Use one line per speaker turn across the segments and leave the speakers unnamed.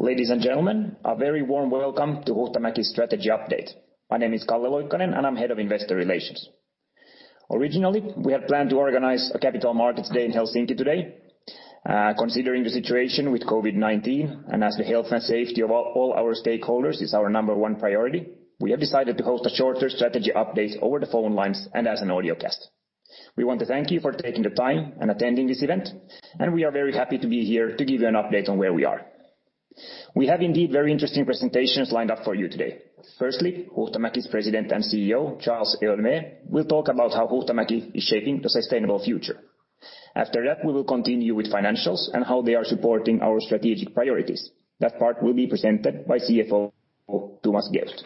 Ladies and gentlemen, a very warm welcome to Huhtamäki's strategy update. My name is Calle Loikkanen, and I'm Head of Investor Relations. Originally, we had planned to organize a capital markets day in Helsinki today. Considering the situation with COVID-19, and as the health and safety of all, all our stakeholders is our number one priority, we have decided to host a shorter strategy update over the phone lines and as an audiocast. We want to thank you for taking the time and attending this event, and we are very happy to be here to give you an update on where we are. We have indeed very interesting presentations lined up for you today. Firstly, Huhtamäki's President and CEO, Charles Héaulmé, will talk about how Huhtamäki is shaping a sustainable future. After that, we will continue with financials and how they are supporting our strategic priorities. That part will be presented by CFO, Thomas Geust.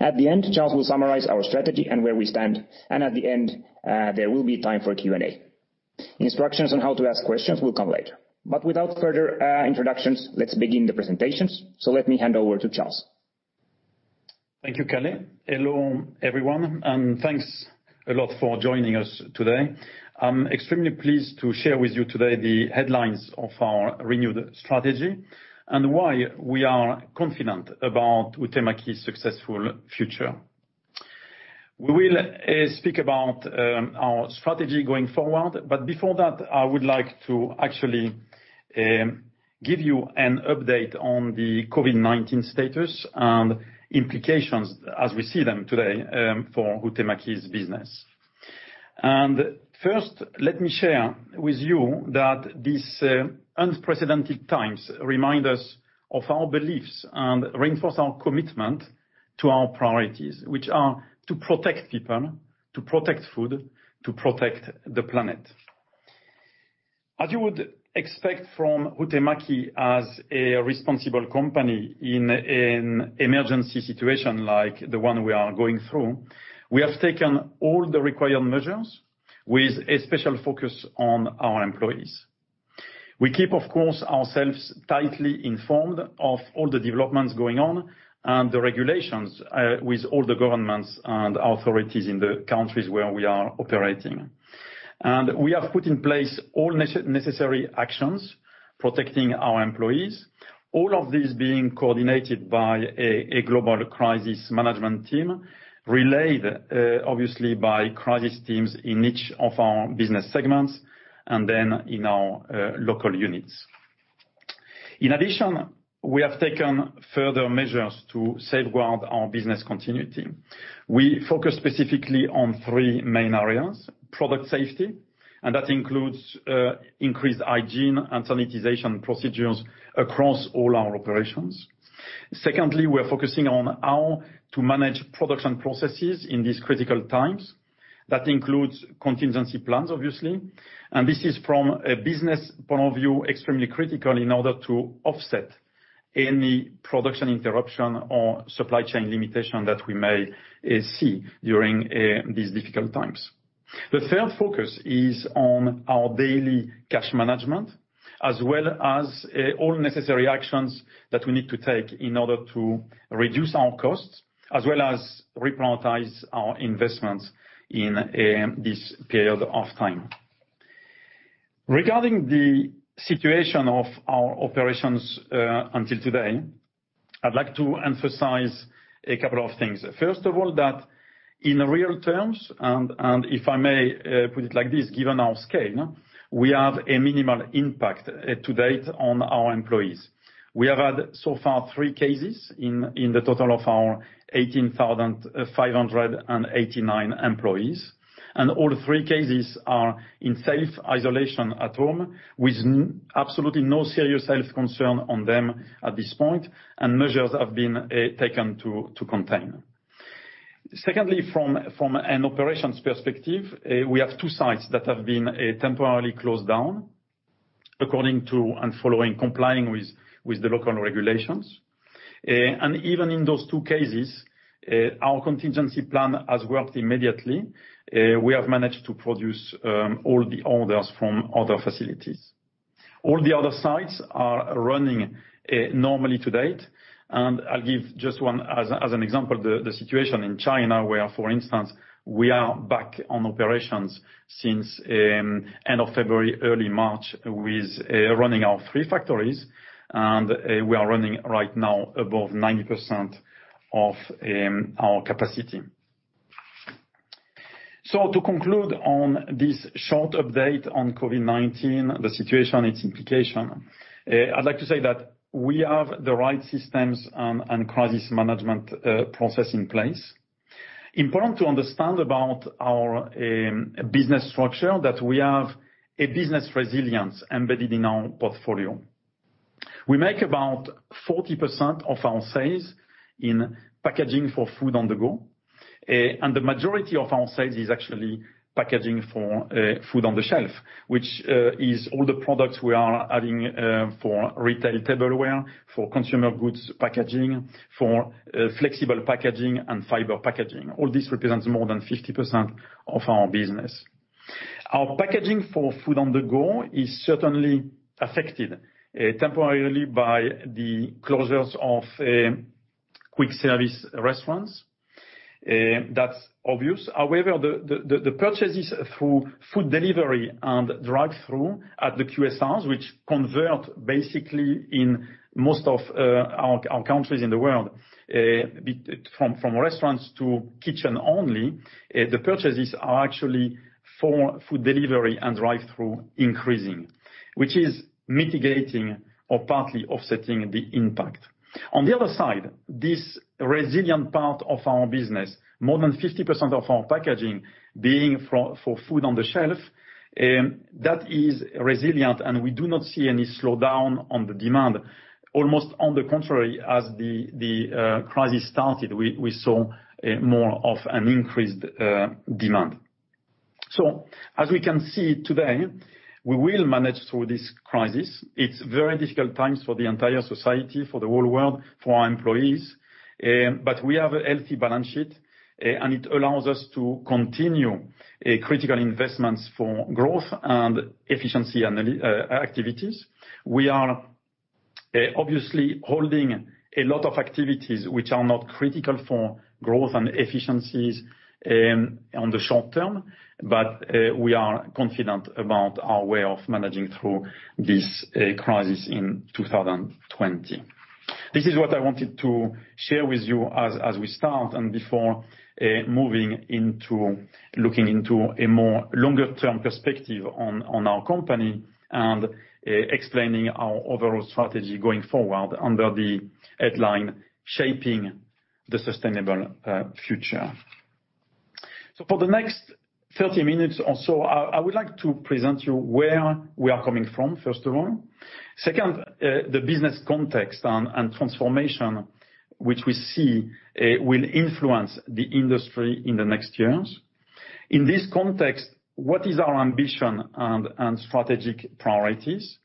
At the end, Charles will summarize our strategy and where we stand, and at the end, there will be time for Q&A. Instructions on how to ask questions will come later. But without further introductions, let's begin the presentations, so let me hand over to Charles.
Thank you, Calle. Hello, everyone, and thanks a lot for joining us today. I'm extremely pleased to share with you today the headlines of our renewed strategy, and why we are confident about Huhtamäki's successful future. We will speak about our strategy going forward, but before that, I would like to actually give you an update on the COVID-19 status and implications as we see them today for Huhtamäki's business. First, let me share with you that these unprecedented times remind us of our beliefs and reinforce our commitment to our priorities, which are to protect people, to protect food, to protect the planet. As you would expect from Huhtamäki as a responsible company in an emergency situation like the one we are going through, we have taken all the required measures with a special focus on our employees. We keep, of course, ourselves tightly informed of all the developments going on and the regulations with all the governments and authorities in the countries where we are operating. We have put in place all necessary actions protecting our employees, all of this being coordinated by a global crisis management team, relayed obviously by crisis teams in each of our business segments, and then in our local units. In addition, we have taken further measures to safeguard our business continuity. We focus specifically on three main areas: product safety, and that includes increased hygiene and sanitization procedures across all our operations. Secondly, we are focusing on how to manage production processes in these critical times. That includes contingency plans, obviously, and this is from a business point of view, extremely critical in order to offset any production interruption or supply chain limitation that we may see during these difficult times. The third focus is on our daily cash management, as well as all necessary actions that we need to take in order to reduce our costs, as well as reprioritize our investments in this period of time. Regarding the situation of our operations until today, I'd like to emphasize a couple of things. First of all, that in real terms, and if I may put it like this, given our scale, we have a minimal impact to date on our employees. We have had so far three cases in the total of our 18,589 employees, and all three cases are in safe isolation at home, with absolutely no serious health concern on them at this point, and measures have been taken to contain. Secondly, from an operations perspective, we have two sites that have been temporarily closed down, according to and following, complying with the local regulations. And even in those two cases, our contingency plan has worked immediately. We have managed to produce all the orders from other facilities. All the other sites are running normally to date, and I'll give just one as an example, the situation in China, where, for instance, we are back on operations since end of February, early March, with running our three factories, and we are running right now above 90% of our capacity. So to conclude on this short update on COVID-19, the situation, its implication, I'd like to say that we have the right systems and crisis management process in place. Important to understand about our business structure, that we have a business resilience embedded in our portfolio. We make about 40% of our sales in packaging for food on the go, and the majority of our sales is actually packaging for food on the shelf, which is all the products we are having for retail tableware, for consumer goods packaging, for Flexible Packaging, and Fiber Packaging. All this represents more than 50% of our business. Our packaging for food on the go is certainly affected temporarily by the closures of quick service restaurants, that's obvious. However, the purchases through food delivery and drive-through at the QSRs, which convert basically in most of our countries in the world, from restaurants to kitchen only, the purchases are actually for food delivery and drive-through increasing, which is mitigating or partly offsetting the impact. On the other side, this resilient part of our business, more than 50% of our packaging being for food on the shelf, that is resilient, and we do not see any slowdown on the demand. Almost on the contrary, as the crisis started, we saw more of an increased demand. So as we can see today, we will manage through this crisis. It's very difficult times for the entire society, for the whole world, for our employees, but we have a healthy balance sheet, and it allows us to continue critical investments for growth and efficiency and all activities. We are obviously holding a lot of activities which are not critical for growth and efficiencies, on the short term, but we are confident about our way of managing through this crisis in 2020. This is what I wanted to share with you as we start and before moving into looking into a more longer-term perspective on our company, and explaining our overall strategy going forward under the headline, Shaping the Sustainable Future. So for the next 30 minutes or so, I would like to present you where we are coming from, first of all. Second, the business context and transformation, which we see will influence the industry in the next years. In this context, what is our ambition and strategic priorities?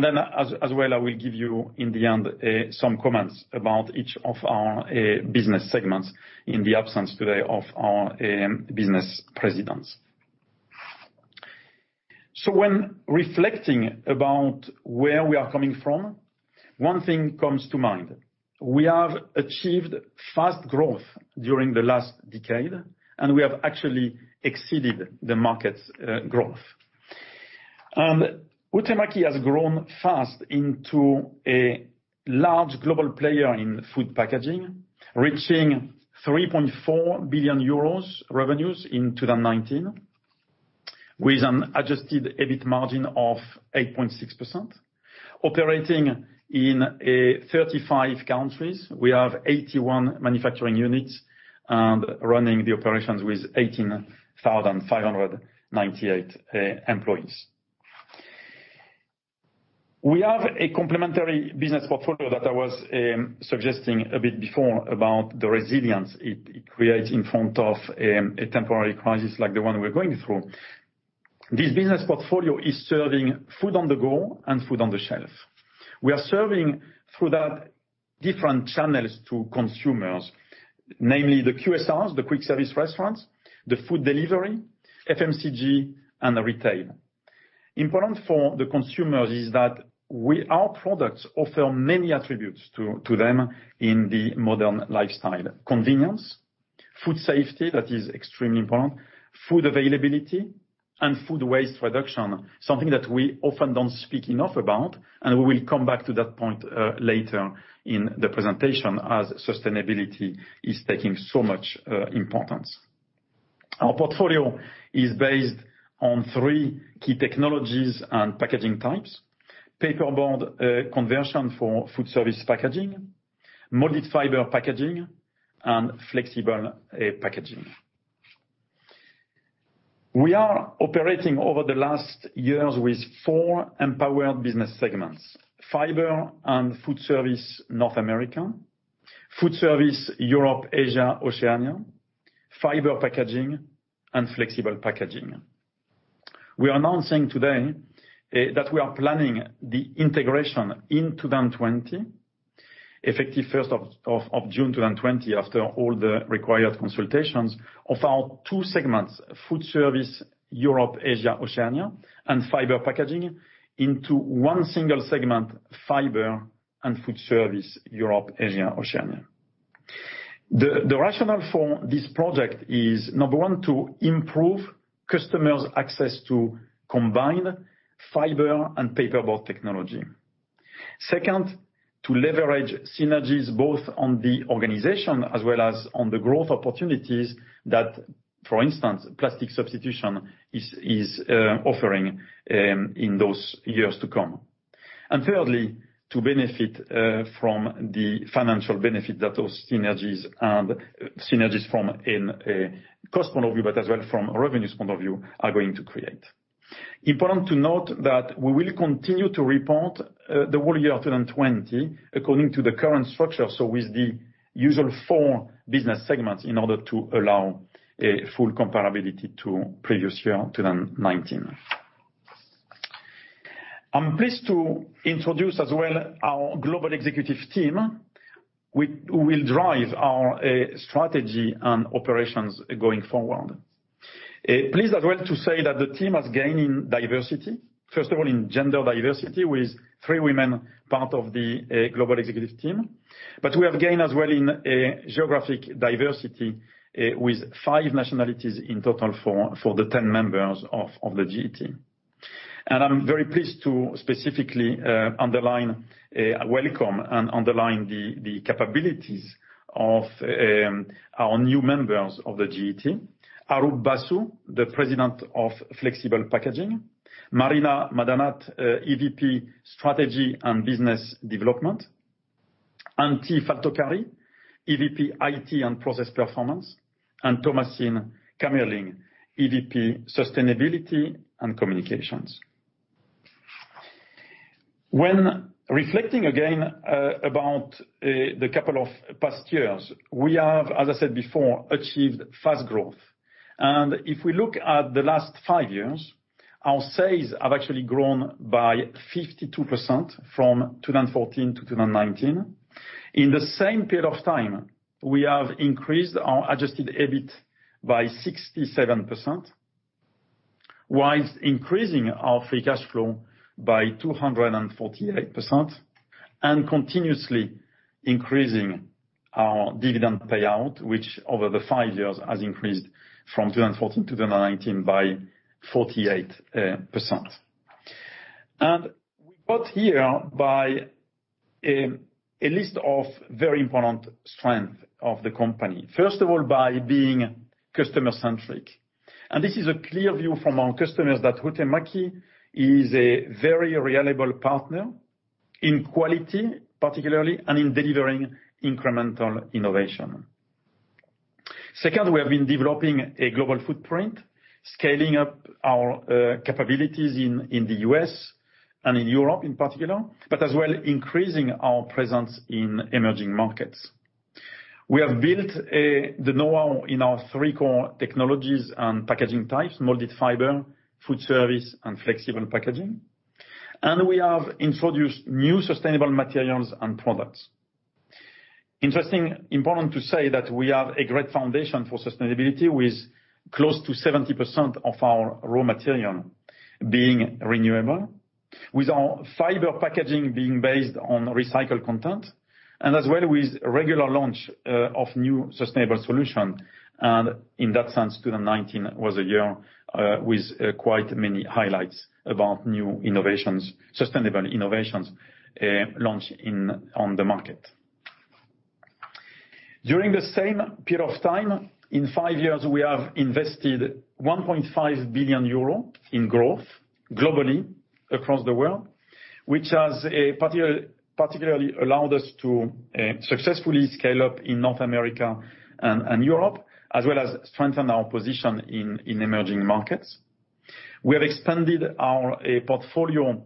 Then, as well, I will give you, in the end, some comments about each of our business segments, in the absence today of our business presidents. When reflecting about where we are coming from, one thing comes to mind: We have achieved fast growth during the last decade, and we have actually exceeded the market's growth. Huhtamäki has grown fast into a large global player in food packaging, reaching 3.4 billion euros revenues in 2019, with an Adjusted EBIT margin of 8.6%. Operating in 35 countries, we have 81 manufacturing units, and running the operations with 18,598 employees. We have a complementary business portfolio that I was suggesting a bit before about the resilience it creates in front of a temporary crisis like the one we're going through. This business portfolio is serving food on the go and food on the shelf. We are serving through the different channels to consumers, namely the QSRs, the quick-service restaurants, the food delivery, FMCG, and the retail. Important for the consumers is that our products offer many attributes to them in the modern lifestyle. Convenience, food safety, that is extremely important, food availability, and food waste reduction, something that we often don't speak enough about, and we will come back to that point later in the presentation, as sustainability is taking so much importance. Our portfolio is based on three key technologies and packaging types: paperboard, conversion for Foodservice packaging, molded fiber packaging, and Flexible Packaging. We are operating over the last years with four empowered business segments: Fiber and Foodservice North America, Foodservice Europe-Asia-Oceania, Fiber Packaging, and Flexible Packaging. We are announcing today, that we are planning the integration in 2020, effective first of June 2020, after all the required consultations, of our two segments, Foodservice Europe-Asia-Oceania, and Fiber Packaging, into one single segment, Fiber and Foodservice Europe-Asia-Oceania. The rationale for this project is, number one, to improve customers' access to combined Fiber and paperboard technology. Second, to leverage synergies both on the organization as well as on the growth opportunities that, for instance, plastic substitution is offering, in those years to come. And thirdly, to benefit from the financial benefit that those synergies and synergies from, in a cost point of view, but as well from a revenues point of view, are going to create. Important to note that we will continue to report the whole year 2020 according to the current structure, so with the usual four business segments, in order to allow a full comparability to previous year 2019. I'm pleased to introduce as well our global executive team, which will drive our strategy and operations going forward. Pleased as well to say that the team has gained in diversity. First of all, in gender diversity, with three women part of the global executive team. But we have gained as well in geographic diversity, with five nationalities in total for the 10 members of the GET. And I'm very pleased to specifically underline welcome and underline the capabilities of our new members of the GET. Arup Basu, the President of Flexible Packaging, Marina Madanat, EVP Strategy and Business Development, Antti Valtokari, EVP IT and Process Performance, and Thomasine Kamerling, EVP Sustainability and Communications. When reflecting again about the couple of past years, we have, as I said before, achieved fast growth, and if we look at the last five years, our sales have actually grown by 52% from 2014 to 2019. In the same period of time, we have increased our Adjusted EBIT by 67% whilst increasing our free cash flow by 248%, and continuously increasing our dividend payout, which over the five years has increased from 2014 to 2019 by 48%. We got here by a list of very important strength of the company. First of all, by being customer-centric, and this is a clear view from our customers that Huhtamäki is a very reliable partner in quality, particularly, and in delivering incremental innovation. Second, we have been developing a global footprint, scaling up our capabilities in, in the US and in Europe in particular, but as well, increasing our presence in emerging markets. We have built the know-how in our three core technologies and packaging types: molded fiber, Foodservice, and Flexible Packaging. And we have introduced new sustainable materials and products. Interesting, important to say that we have a great foundation for sustainability, with close to 70% of our raw material being renewable, with our Fiber Packaging being based on recycled content, and as well, with regular launch of new sustainable solution. And in that sense, 2019 was a year with quite many highlights about new innovations, sustainable innovations, launched on the market. During the same period of time, in five years, we have invested 1.5 billion euro in growth globally across the world, which has particularly allowed us to successfully scale up in North America and Europe, as well as strengthen our position in emerging markets. We have expanded our portfolio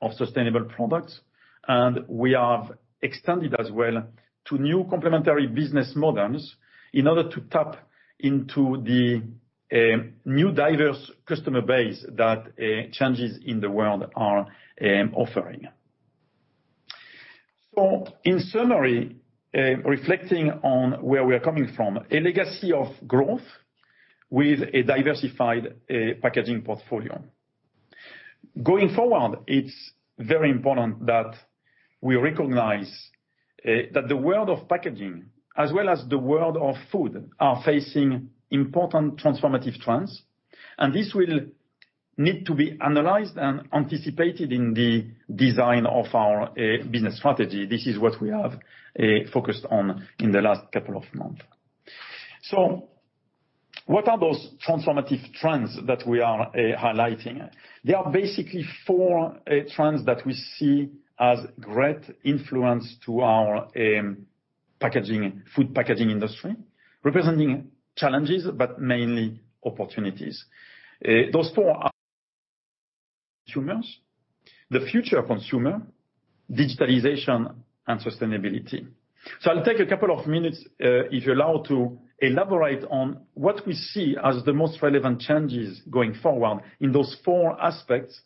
of sustainable products, and we have extended as well to new complementary business models in order to tap into the new diverse customer base that changes in the world are offering. So in summary, reflecting on where we are coming from, a legacy of growth with a diversified packaging portfolio. Going forward, it's very important that we recognize that the world of packaging as well as the world of food are facing important transformative trends, and this will need to be analyzed and anticipated in the design of our business strategy. This is what we have focused on in the last couple of months. So what are those transformative trends that we are highlighting? There are basically four trends that we see as great influence to our packaging, food packaging industry, representing challenges, but mainly opportunities. Those four are: consumers, the future consumer, digitalization, and sustainability. So I'll take a couple of minutes, if you allow, to elaborate on what we see as the most relevant changes going forward in those four aspects,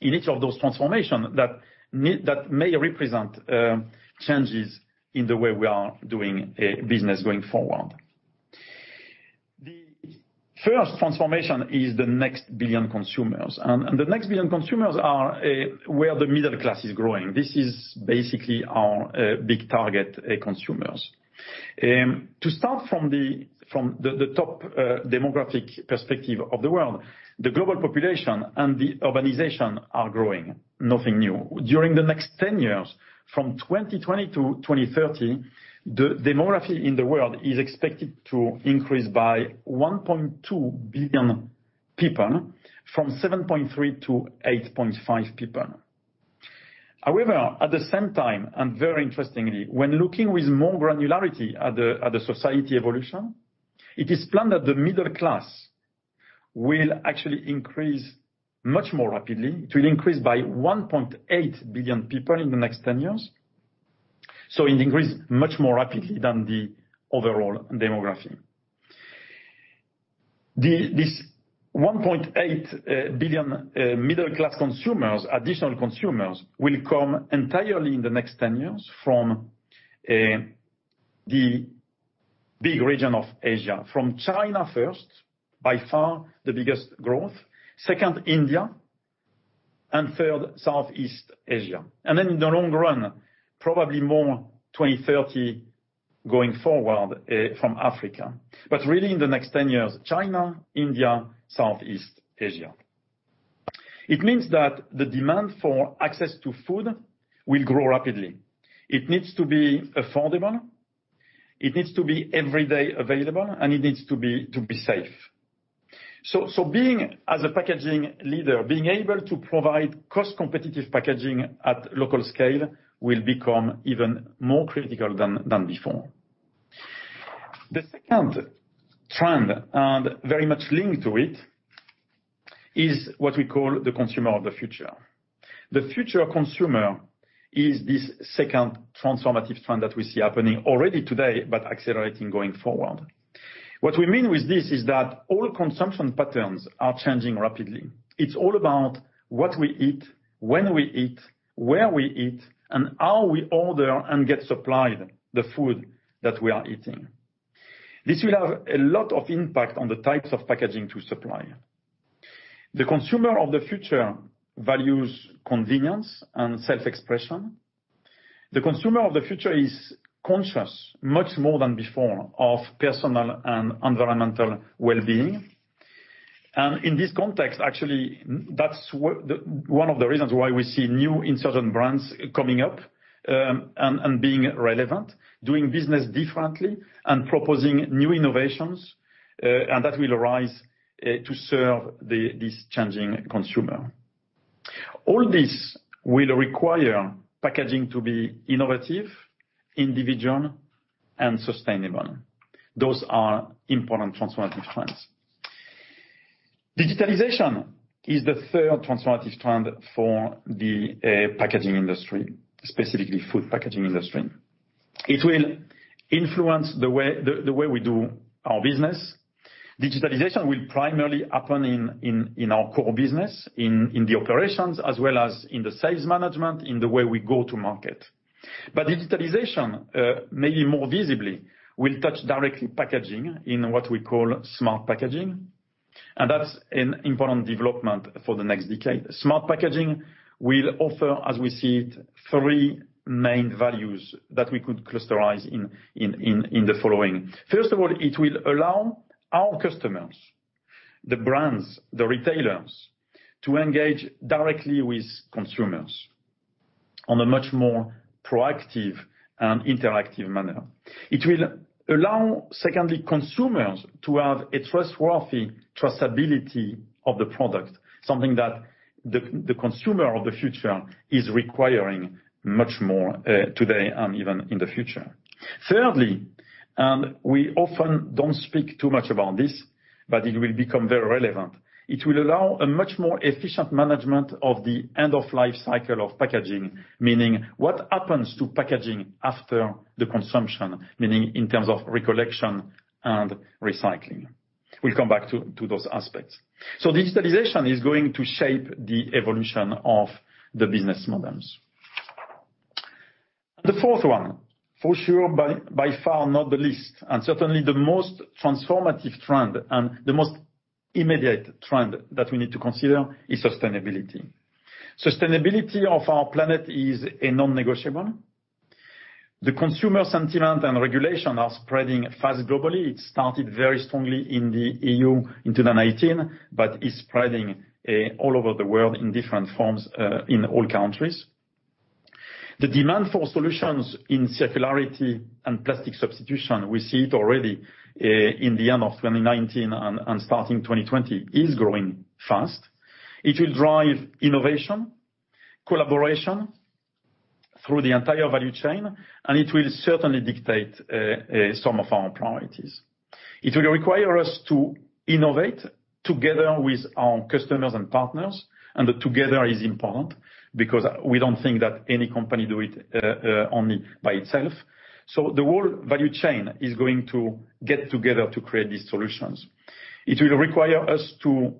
in each of those transformation that may represent, changes in the way we are doing, business going forward. The first transformation is the next billion consumers, and the next billion consumers are, where the middle class is growing. This is basically our, big target, consumers. To start from the top, demographic perspective of the world, the global population and the urbanization are growing, nothing new. During the next 10 years, from 2020 to 2030, the demography in the world is expected to increase by 1.2 billion people, from 7.3 to 8.5 people. However, at the same time, and very interestingly, when looking with more granularity at the society evolution, it is planned that the middle class will actually increase much more rapidly. It will increase by 1.8 billion people in the next 10 years, so it increase much more rapidly than the overall demography. The this 1.8 billion middle-class consumers, additional consumers, will come entirely in the next 10 years from the big region of Asia. From China first, by far the biggest growth, second, India, and third, Southeast Asia. And then in the long run, probably more 2030 going forward, from Africa. But really, in the next 10 years, China, India, Southeast Asia. It means that the demand for access to food will grow rapidly. It needs to be affordable, it needs to be every day available, and it needs to be safe. So, as a packaging leader, being able to provide cost-competitive packaging at local scale will become even more critical than before. The second trend, and very much linked to it, is what we call the consumer of the future. The future consumer is this second transformative trend that we see happening already today, but accelerating going forward. What we mean with this is that all consumption patterns are changing rapidly. It's all about what we eat, when we eat, where we eat, and how we order and get supplied the food that we are eating. This will have a lot of impact on the types of packaging to supply. The consumer of the future values convenience and self-expression. The consumer of the future is conscious, much more than before, of personal and environmental well-being. In this context, actually, that's what one of the reasons why we see new insurgent brands coming up, and being relevant, doing business differently, and proposing new innovations, and that will arise to serve this changing consumer. All this will require packaging to be innovative, individual, and sustainable. Those are important transformative trends. Digitalization is the third transformative trend for the packaging industry, specifically food packaging industry. It will influence the way we do our business. Digitalization will primarily happen in our core business, in the operations, as well as in the sales management, in the way we go to market. But digitalization, maybe more visibly, will touch directly packaging in what we call smart packaging, and that's an important development for the next decade. Smart packaging will offer, as we see it, three main values that we could clusterize in the following. First of all, it will allow our customers, the brands, the retailers, to engage directly with consumers on a much more proactive and interactive manner. It will allow, secondly, consumers to have a trustworthy traceability of the product, something that the consumer of the future is requiring much more, today and even in the future. Thirdly, and we often don't speak too much about this, but it will become very relevant. It will allow a much more efficient management of the end-of-life cycle of packaging, meaning what happens to packaging after the consumption, meaning in terms of recollection and recycling. We'll come back to those aspects. So digitalization is going to shape the evolution of the business models. And the fourth one, for sure, by far, not the least, and certainly the most transformative trend, and the most immediate trend that we need to consider is sustainability. Sustainability of our planet is a non-negotiable. The consumer sentiment and regulation are spreading fast globally. It started very strongly in the EU in 2019, but is spreading all over the world in different forms in all countries. The demand for solutions in circularity and plastic substitution, we see it already in the end of 2019 and starting 2020, is growing fast. It will drive innovation, collaboration through the entire value chain, and it will certainly dictate some of our priorities. It will require us to innovate together with our customers and partners, and together is important, because we don't think that any company do it only by itself. So the whole value chain is going to get together to create these solutions. It will require us to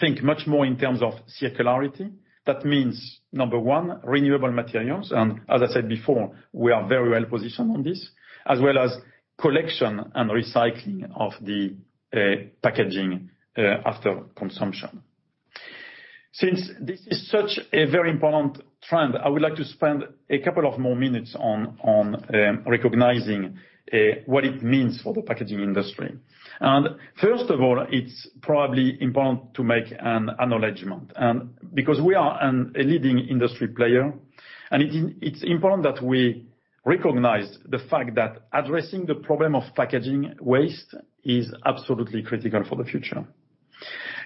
think much more in terms of circularity. That means, number one, renewable materials, and as I said before, we are very well positioned on this, as well as collection and recycling of the packaging after consumption. Since this is such a very important trend, I would like to spend a couple of more minutes on recognizing what it means for the packaging industry. It's probably important to make an acknowledgment, and because we are a leading industry player, and it's important that we recognize the fact that addressing the problem of packaging waste is absolutely critical for the future.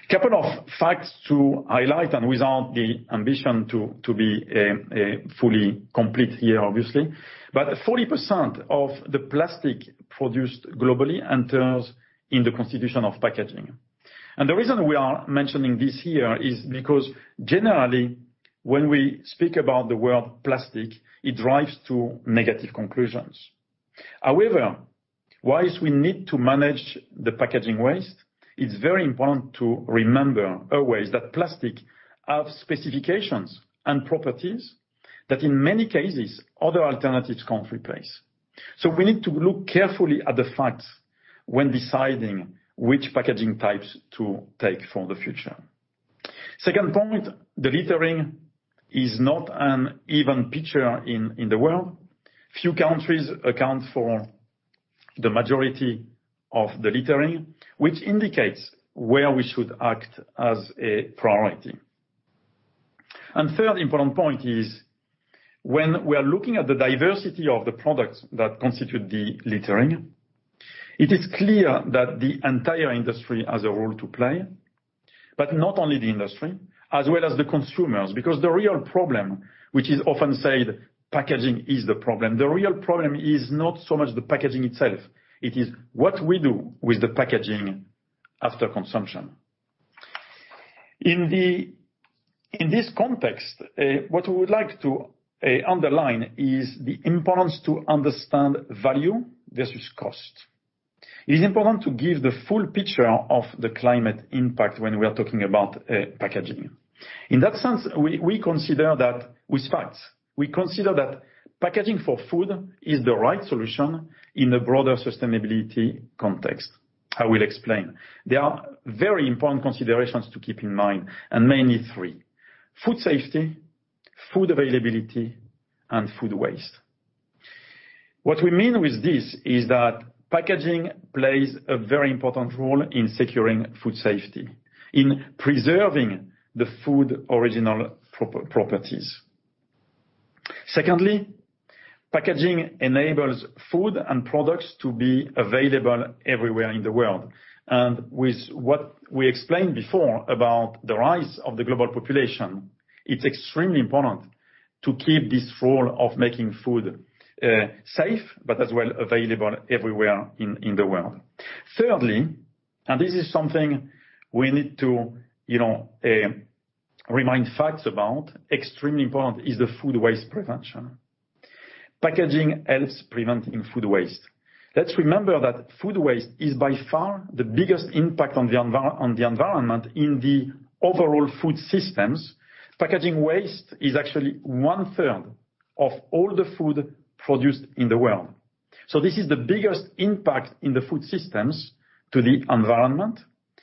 A couple of facts to highlight, and without the ambition to be fully complete here, obviously, but 40% of the plastic produced globally enters in the constitution of packaging. And the reason we are mentioning this here is because, generally, when we speak about the word plastic, it drives to negative conclusions. However, while we need to manage the packaging waste, it's very important to remember always that plastic have specifications and properties that, in many cases, other alternatives can't replace. So we need to look carefully at the facts when deciding which packaging types to take for the future. Second point, the littering is not an even picture in the world. Few countries account for the majority of the littering, which indicates where we should act as a priority. And third important point is, when we are looking at the diversity of the products that constitute the littering, it is clear that the entire industry has a role to play, but not only the industry, as well as the consumers, because the real problem, which is often said, packaging is the problem, the real problem is not so much the packaging itself, it is what we do with the packaging after consumption. In this context, what we would like to underline is the importance to understand value versus cost. It is important to give the full picture of the climate impact when we are talking about packaging. In that sense, we consider that with facts, we consider that packaging for food is the right solution in a broader sustainability context. I will explain. There are very important considerations to keep in mind, and mainly three: food safety, food availability, and food waste. What we mean with this is that packaging plays a very important role in securing food safety, in preserving the food original properties. Secondly, packaging enables food and products to be available everywhere in the world, and with what we explained before about the rise of the global population, it's extremely important to keep this role of making food safe, but as well, available everywhere in the world. Thirdly, and this is something we need to, you know, remind facts about, extremely important is the food waste prevention. Packaging helps preventing food waste. Let's remember that food waste is, by far, the biggest impact on the environment in the overall food systems. Packaging waste is actually one third of all the food produced in the world. So this is the biggest impact in the food systems to the environment.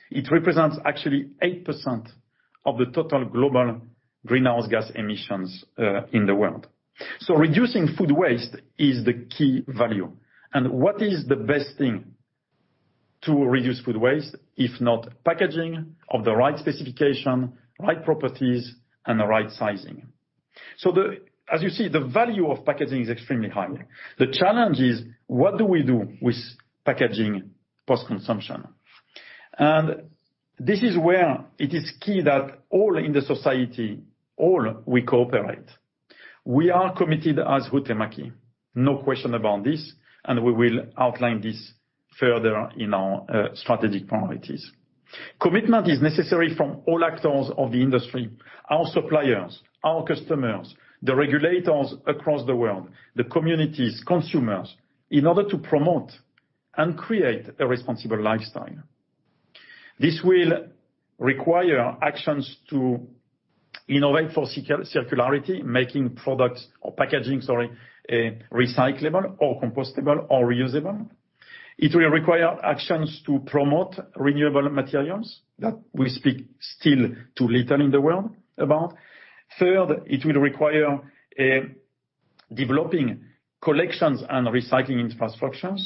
It represents actually 8% of the total global greenhouse gas emissions in the world. So reducing food waste is the key value. And what is the best thing to reduce food waste, if not packaging of the right specification, right properties, and the right sizing? So, as you see, the value of packaging is extremely high. The challenge is, what do we do with packaging post-consumption? And this is where it is key that all in the society, all we cooperate. We are committed as Huhtamäki, no question about this, and we will outline this further in our strategic priorities. Commitment is necessary from all actors of the industry, our suppliers, our customers, the regulators across the world, the communities, consumers, in order to promote and create a responsible lifestyle. This will require actions to innovate for circularity, making products or packaging, sorry, recyclable or compostable or reusable. It will require actions to promote renewable materials that we speak still too little in the world about. Third, it will require developing collections and recycling infrastructures.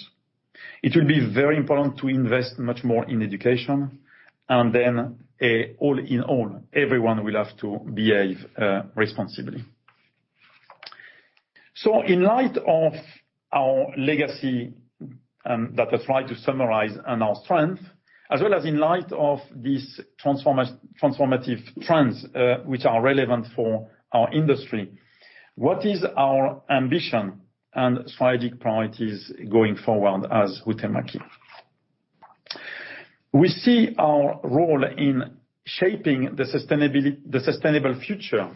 It will be very important to invest much more in education, and then all in all, everyone will have to behave responsibly. In light of our legacy that I tried to summarize, and our strength, as well as in light of these transformative trends, which are relevant for our industry, what is our ambition and strategic priorities going forward as Huhtamäki? We see our role in shaping the sustainable future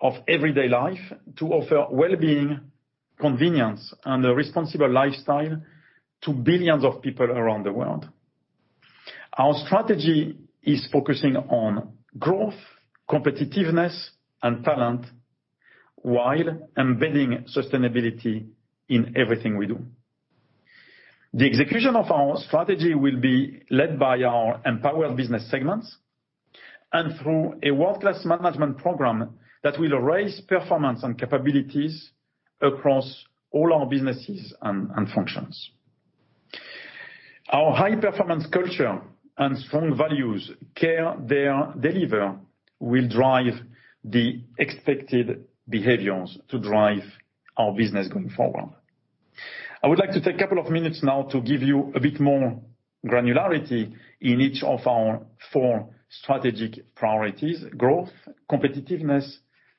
of everyday life to offer well-being, convenience, and a responsible lifestyle to billions of people around the world. Our strategy is focusing on growth, competitiveness, and talent, while embedding sustainability in everything we do. The execution of our strategy will be led by our empowered business segments, and through a world-class management program that will raise performance and capabilities across all our businesses and, and functions. Our high-performance culture and strong values, Care, Dare, Deliver, will drive the expected behaviors to drive our business going forward. I would like to take a couple of minutes now to give you a bit more granularity in each of our four strategic priorities: growth, competitiveness,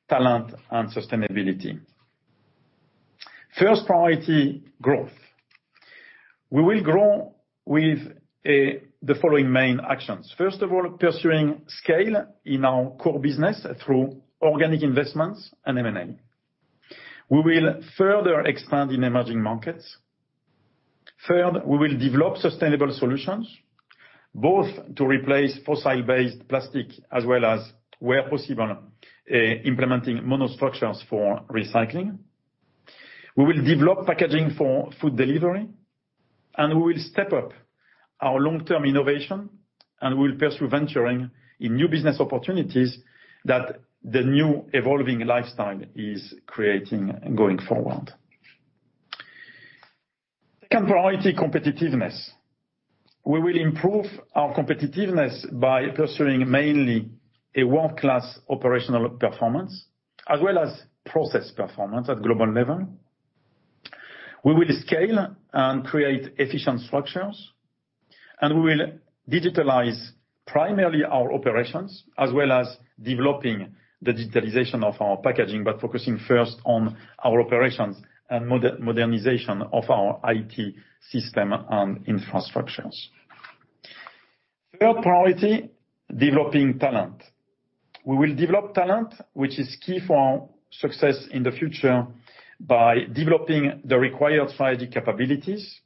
talent, and sustainability. First priority, growth. We will grow with the following main actions: First of all, pursuing scale in our core business through organic investments and M&A. We will further expand in emerging markets. Third, we will develop sustainable solutions, both to replace fossil-based plastic as well as, where possible, implementing monostructures for recycling. We will develop packaging for food delivery, and we will step up our long-term innovation, and we will pursue venturing in new business opportunities that the new evolving lifestyle is creating going forward. Second priority, competitiveness. We will improve our competitiveness by pursuing mainly a world-class operational performance, as well as process performance at global level. We will scale and create efficient structures, and we will digitalize primarily our operations, as well as developing the digitalization of our packaging, but focusing first on our operations and modernization of our IT system and infrastructures. Third priority, developing talent. We will develop talent, which is key for success in the future, by developing the required strategic capabilities,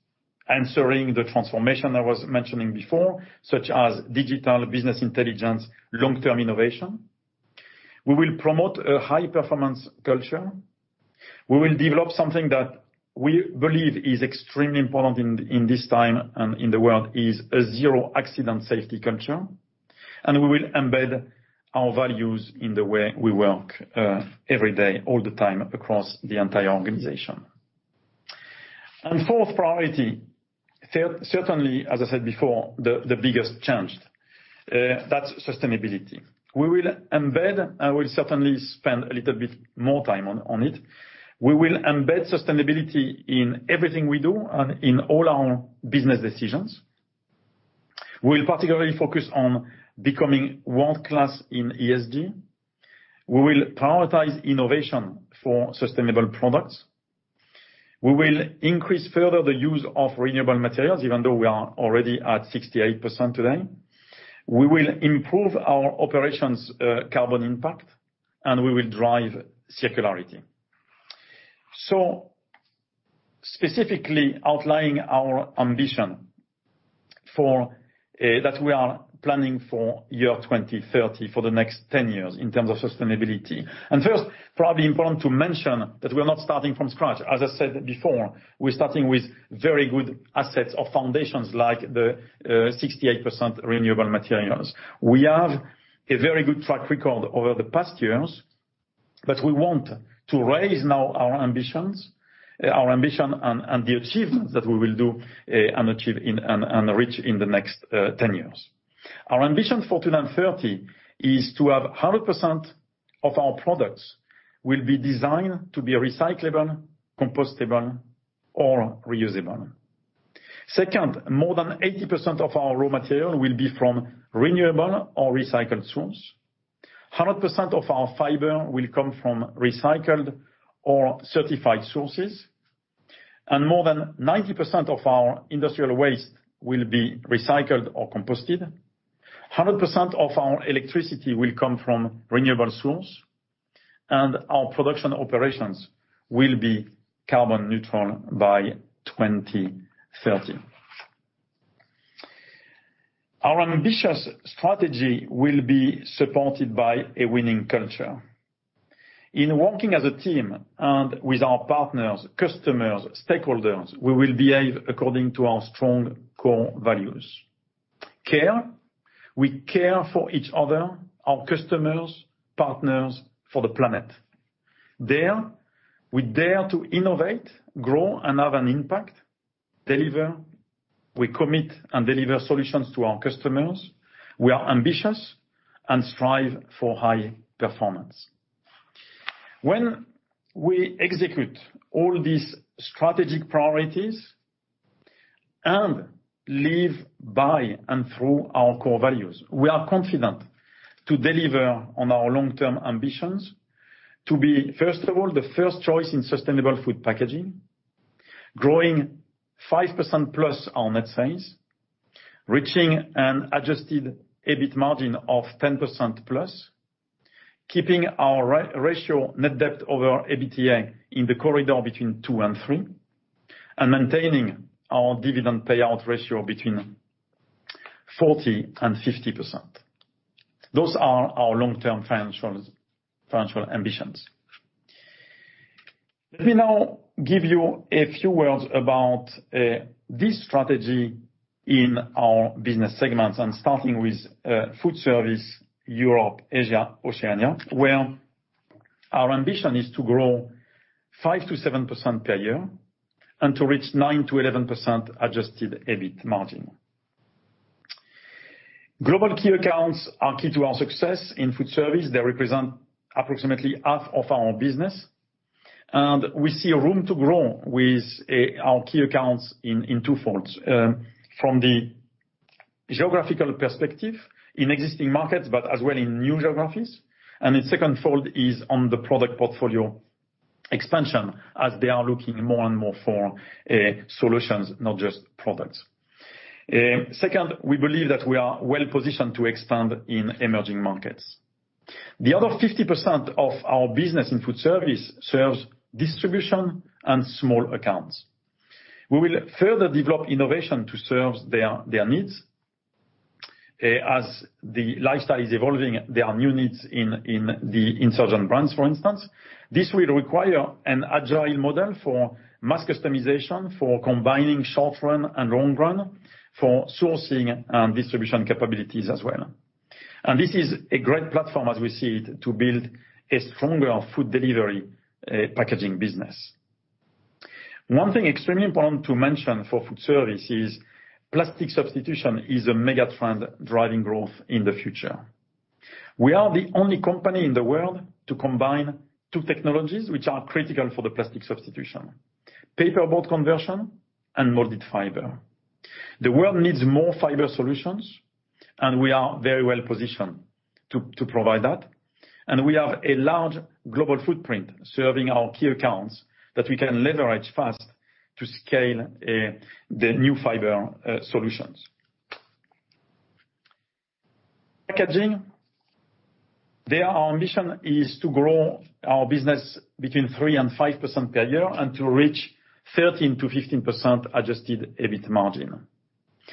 answering the transformation I was mentioning before, such as digital business intelligence, long-term innovation. We will promote a high-performance culture. We will develop something that we believe is extremely important in this time and in the world, is a zero accident safety culture, and we will embed our values in the way we work, every day, all the time, across the entire organization. And fourth priority, certainly, as I said before, the biggest change, that's sustainability. We will embed. I will certainly spend a little bit more time on it. We will embed sustainability in everything we do and in all our business decisions. We'll particularly focus on becoming world-class in ESG. We will prioritize innovation for sustainable products. We will increase further the use of renewable materials, even though we are already at 68% today. We will improve our operations, carbon impact, and we will drive circularity. So specifically outlining our ambition for that we are planning for year 2030, for the next 10 years in terms of sustainability. And first, probably important to mention, that we're not starting from scratch. As I said before, we're starting with very good assets or foundations, like the 68% renewable materials. We have a very good track record over the past years, but we want to raise now our ambitions, our ambition and, and the achievements that we will do, and achieve and, and reach in the next, 10 years. Our ambition for 2030 is to have 100% of our products will be designed to be recyclable, compostable, or reusable. Second, more than 80% of our raw material will be from renewable or recycled source. 100% of our fiber will come from recycled or certified sources, and more than 90% of our industrial waste will be recycled or composted. 100% of our electricity will come from renewable source, and our production operations will be carbon neutral by 2030. Our ambitious strategy will be supported by a winning culture. In working as a team and with our partners, customers, stakeholders, we will behave according to our strong core values. Care: we care for each other, our customers, partners, for the planet. Dare: we dare to innovate, grow, and have an impact. Deliver: we commit and deliver solutions to our customers. We are ambitious and strive for high performance. When we execute all these strategic priorities and live by and through our core values, we are confident to deliver on our long-term ambitions, to be, first of all, the first choice in sustainable food packaging, growing 5%+ our net sales, reaching an Adjusted EBIT margin of 10%+, keeping our ratio net debt over EBITDA in the corridor between 2 and 3, and maintaining our dividend payout ratio between 40% and 50%. Those are our long-term financials, financial ambitions. Let me now give you a few words about this strategy in our business segments, and starting with Foodservice Europe-Asia-Oceania, where our ambition is to grow 5%-7% per year and to reach 9%-11% Adjusted EBIT margin. Global key accounts are key to our success in Foodservice. They represent approximately half of our business, and we see a room to grow with our key accounts in two folds. From the geographical perspective in existing markets, but as well in new geographies. And in second fold is on the product portfolio expansion, as they are looking more and more for solutions, not just products. Second, we believe that we are well positioned to expand in emerging markets. The other 50% of our business in Foodservice serves distribution and small accounts. We will further develop innovation to serve their, their needs. As the lifestyle is evolving, there are new needs in, in the insurgent brands, for instance. This will require an agile model for mass customization, for combining short run and long run, for sourcing and distribution capabilities as well. And this is a great platform, as we see it, to build a stronger food delivery, packaging business. One thing extremely important to mention for Foodservice is plastic substitution is a mega trend driving growth in the future. We are the only company in the world to combine two technologies which are critical for the plastic substitution, paperboard conversion and molded Fiber. The world needs more Fiber solutions, and we are very well positioned to provide that. And we have a large global footprint serving our key accounts that we can leverage fast to scale the new Fiber solutions. Packaging, there our ambition is to grow our business between 3% and 5% per year, and to reach 13%-15% Adjusted EBIT margin.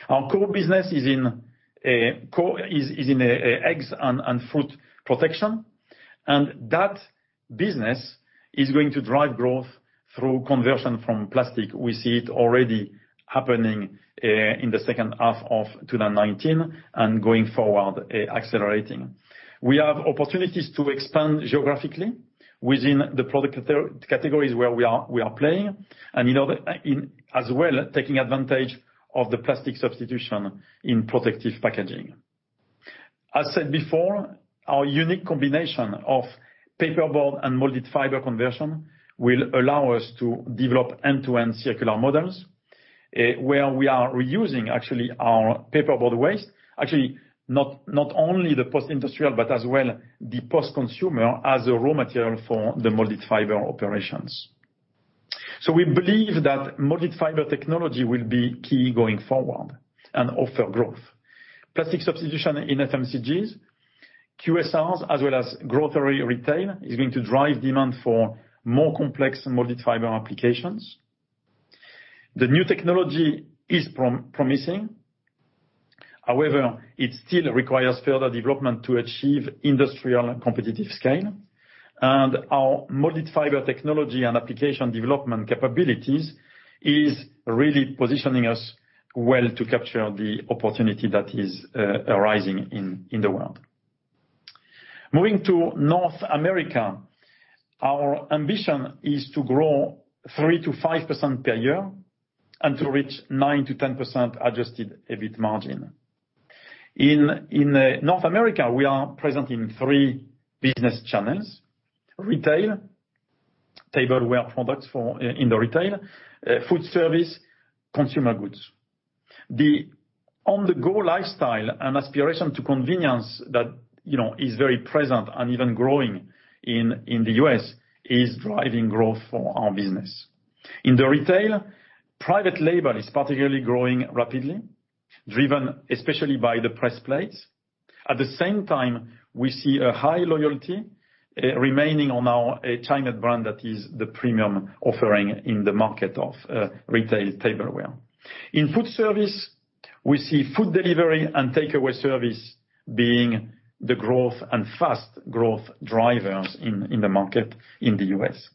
Our core business is in eggs and food protection, and that business is going to drive growth through conversion from plastic. We see it already happening in the second half of 2019 and going forward accelerating. We have opportunities to expand geographically within the product categories where we are playing, and in others as well, taking advantage of the plastic substitution in protective packaging. As said before, our unique combination of paperboard and molded Fiber conversion will allow us to develop end-to-end circular models, where we are reusing actually our paperboard waste. Actually, not only the post-industrial, but as well the post-consumer, as a raw material for the molded Fiber operations. So we believe that molded Fiber technology will be key going forward, and offer growth. Plastic substitution in FMCGs, QSRs, as well as grocery retail, is going to drive demand for more complex molded Fiber applications. The new technology is promising, however, it still requires further development to achieve industrial competitive scale. And our molded Fiber technology and application development capabilities is really positioning us well to capture the opportunity that is arising in the world. Moving to North America, our ambition is to grow 3%-5% per year, and to reach 9%-10% Adjusted EBIT margin. In North America, we are present in three business channels: retail, tableware products for, in the retail, Foodservice, consumer goods. The on-the-go lifestyle and aspiration to convenience that, you know, is very present and even growing in the U.S., is driving growth for our business. In the retail, private label is particularly growing rapidly, driven especially by the pressed plates. At the same time, we see a high loyalty remaining on our Chinet brand, that is the premium offering in the market of retail tableware. In Foodservice, we see food delivery and takeaway service being the growth and fast growth drivers in the market in the U.S.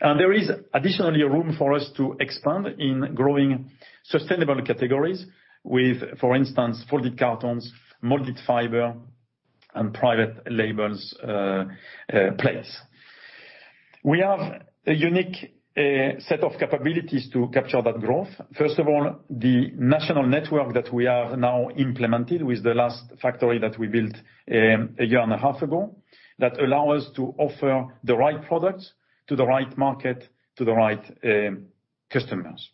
There is additionally room for us to expand in growing sustainable categories with, for instance, folded cartons, molded Fiber, and private labels, plates. We have a unique set of capabilities to capture that growth. First of all, the national network that we have now implemented with the last factory that we built, a year and a half ago, that allow us to offer the right products to the right market, to the right, customers.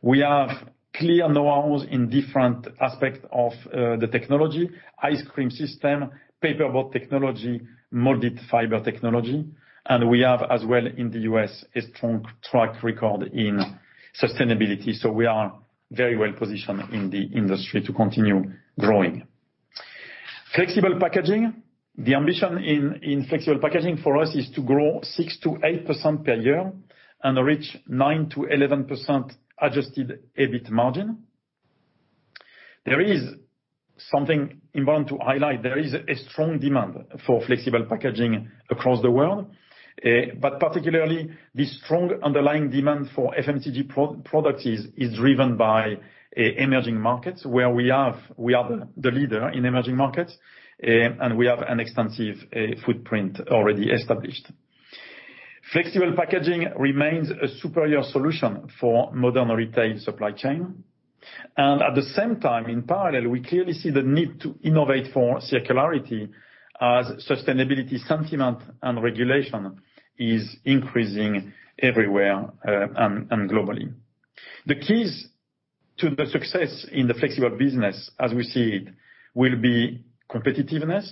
We have clear know-hows in different aspects of the technology, ice cream system, paperboard technology, molded Fiber technology, and we have, as well in the U.S., a strong track record in sustainability. We are very well positioned in the industry to continue growing. Flexible Packaging. The ambition in Flexible Packaging for us is to grow 6%-8% per year and reach 9%-11% Adjusted EBIT margin. There is something important to highlight. There is a strong demand for Flexible Packaging across the world, but particularly, the strong underlying demand for FMCG products is driven by emerging markets, where we are the leader in emerging markets, and we have an extensive footprint already established. Flexible Packaging remains a superior solution for modern retail supply chain, and at the same time, in parallel, we clearly see the need to innovate for circularity as sustainability sentiment and regulation is increasing everywhere, and globally. The keys to the success in the flexible business, as we see it, will be competitiveness,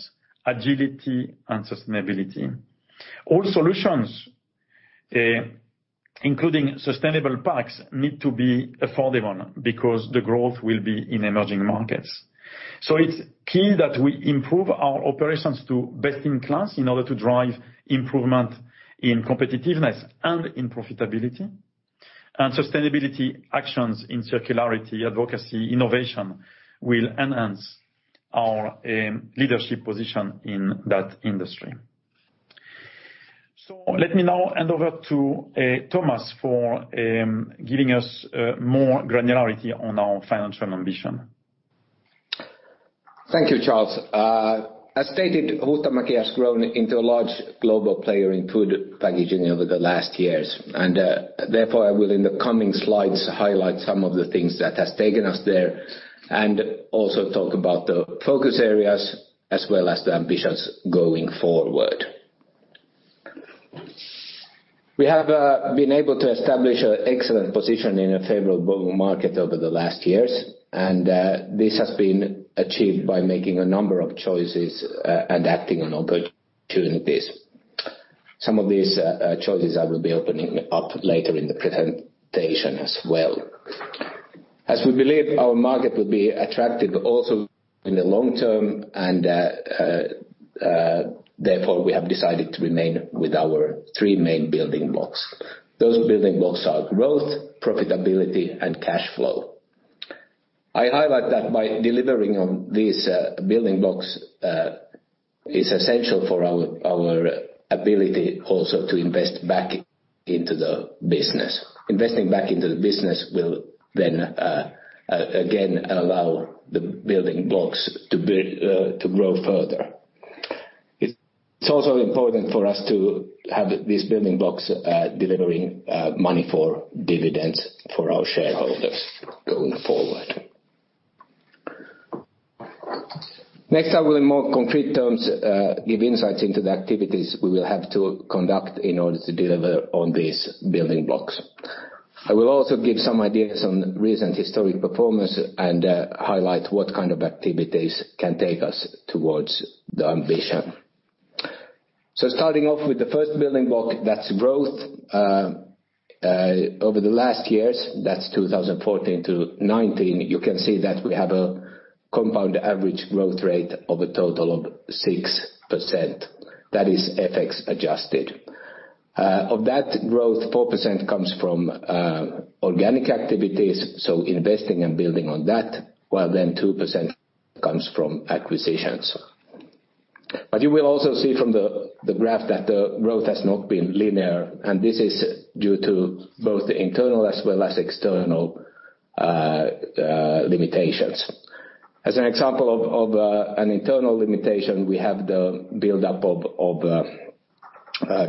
agility, and sustainability. All solutions, including sustainable packs, need to be affordable because the growth will be in emerging markets. So it's key that we improve our operations to best-in-class in order to drive improvement in competitiveness and in profitability. And sustainability actions in circularity, advocacy, innovation, will enhance our, leadership position in that industry. So let me now hand over to, Thomas, for, giving us, more granularity on our financial ambition.
Thank you, Charles. As stated, Huhtamäki has grown into a large global player in food packaging over the last years, and therefore, I will, in the coming slides, highlight some of the things that has taken us there, and also talk about the focus areas as well as the ambitions going forward. We have been able to establish an excellent position in a favorable global market over the last years, and this has been achieved by making a number of choices and acting on opportunities. Some of these choices I will be opening up later in the presentation as well. As we believe our market will be attractive also in the long term, and therefore, we have decided to remain with our three main building blocks. Those building blocks are growth, profitability, and cash flow. I highlight that by delivering on these building blocks is essential for our our ability also to invest back into the business. Investing back into the business will then again allow the building blocks to build to grow further. It's also important for us to have these building blocks delivering money for dividends for our shareholders going forward. Next, I will in more concrete terms give insights into the activities we will have to conduct in order to deliver on these building blocks. I will also give some ideas on recent historic performance and highlight what kind of activities can take us towards the ambition. So starting off with the first building block, that's growth. Over the last years, that's 2014 to 2019, you can see that we have a compound average growth rate of a total of 6%. That is FX adjusted. Of that growth, 4% comes from organic activities, so investing and building on that, while then 2% comes from acquisitions. But you will also see from the graph that the growth has not been linear, and this is due to both the internal as well as external limitations. As an example of an internal limitation, we have the buildup of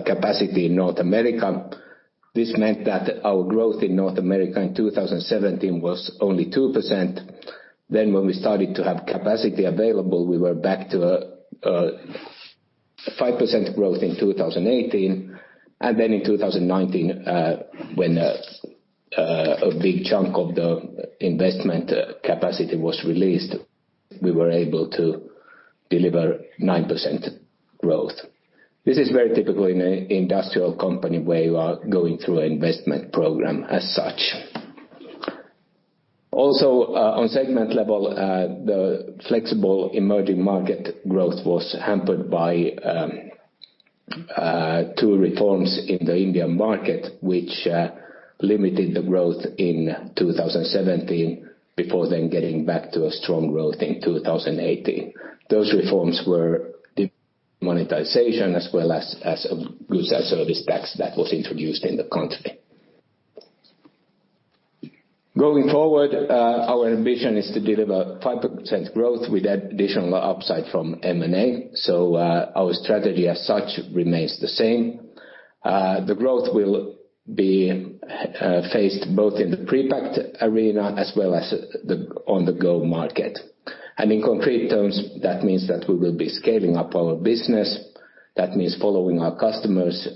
capacity in North America. This meant that our growth in North America in 2017 was only 2%. Then when we started to have capacity available, we were back to 5% growth in 2018. And then in 2019, when a big chunk of the investment capacity was released, we were able to deliver 9% growth. This is very typical in an industrial company where you are going through an investment program as such. Also, on segment level, the flexible emerging market growth was hampered by two reforms in the Indian market, which limited the growth in 2017, before then getting back to a strong growth in 2018. Those reforms were demonetization as well as a Goods and Services Tax that was introduced in the country. Going forward, our ambition is to deliver 5% growth with additional upside from M&A, so our strategy as such remains the same. The growth will be faced both in the prepacked arena as well as the on-the-go market. In concrete terms, that means that we will be scaling up our business. That means following our customers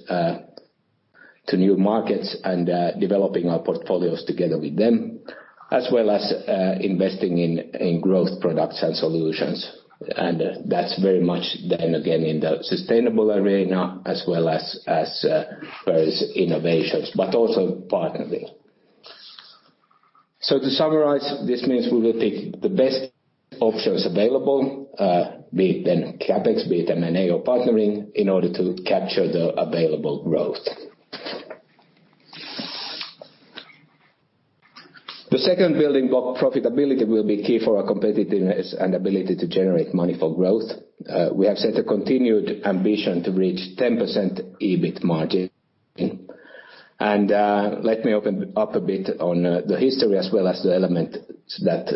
to new markets and developing our portfolios together with them, as well as investing in growth products and solutions. And that's very much then again, in the sustainable arena, as well as various innovations, but also partnering. To summarize, this means we will take the best options available, be it then CapEx, be it M&A or partnering, in order to capture the available growth. The second building block, profitability, will be key for our competitiveness and ability to generate money for growth. We have set a continued ambition to reach 10% EBIT margin. Let me open up a bit on the history as well as the elements that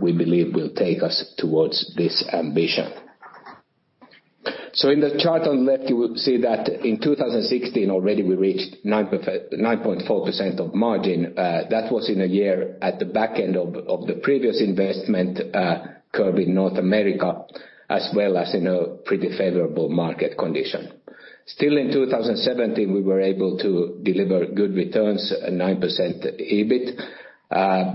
we believe will take us towards this ambition. So in the chart on the left, you will see that in 2016 already, we reached 9.4% margin. That was in a year at the back end of the previous investment curve in North America, as well as in a pretty favorable market condition. Still, in 2017, we were able to deliver good returns, 9% EBIT,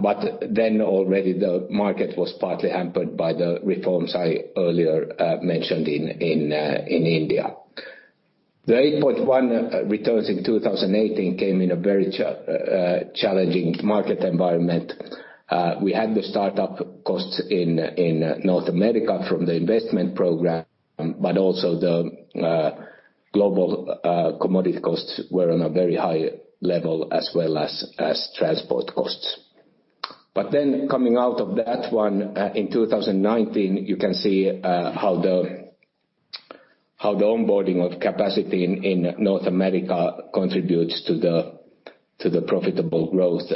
but then already the market was partly hampered by the reforms I earlier mentioned in India. The 8.1 returns in 2018 came in a very challenging market environment. We had the start-up costs in North America from the investment program, but also the global commodity costs were on a very high level, as well as transport costs. But then coming out of that one, in 2019, you can see how the onboarding of capacity in North America contributes to the profitable growth,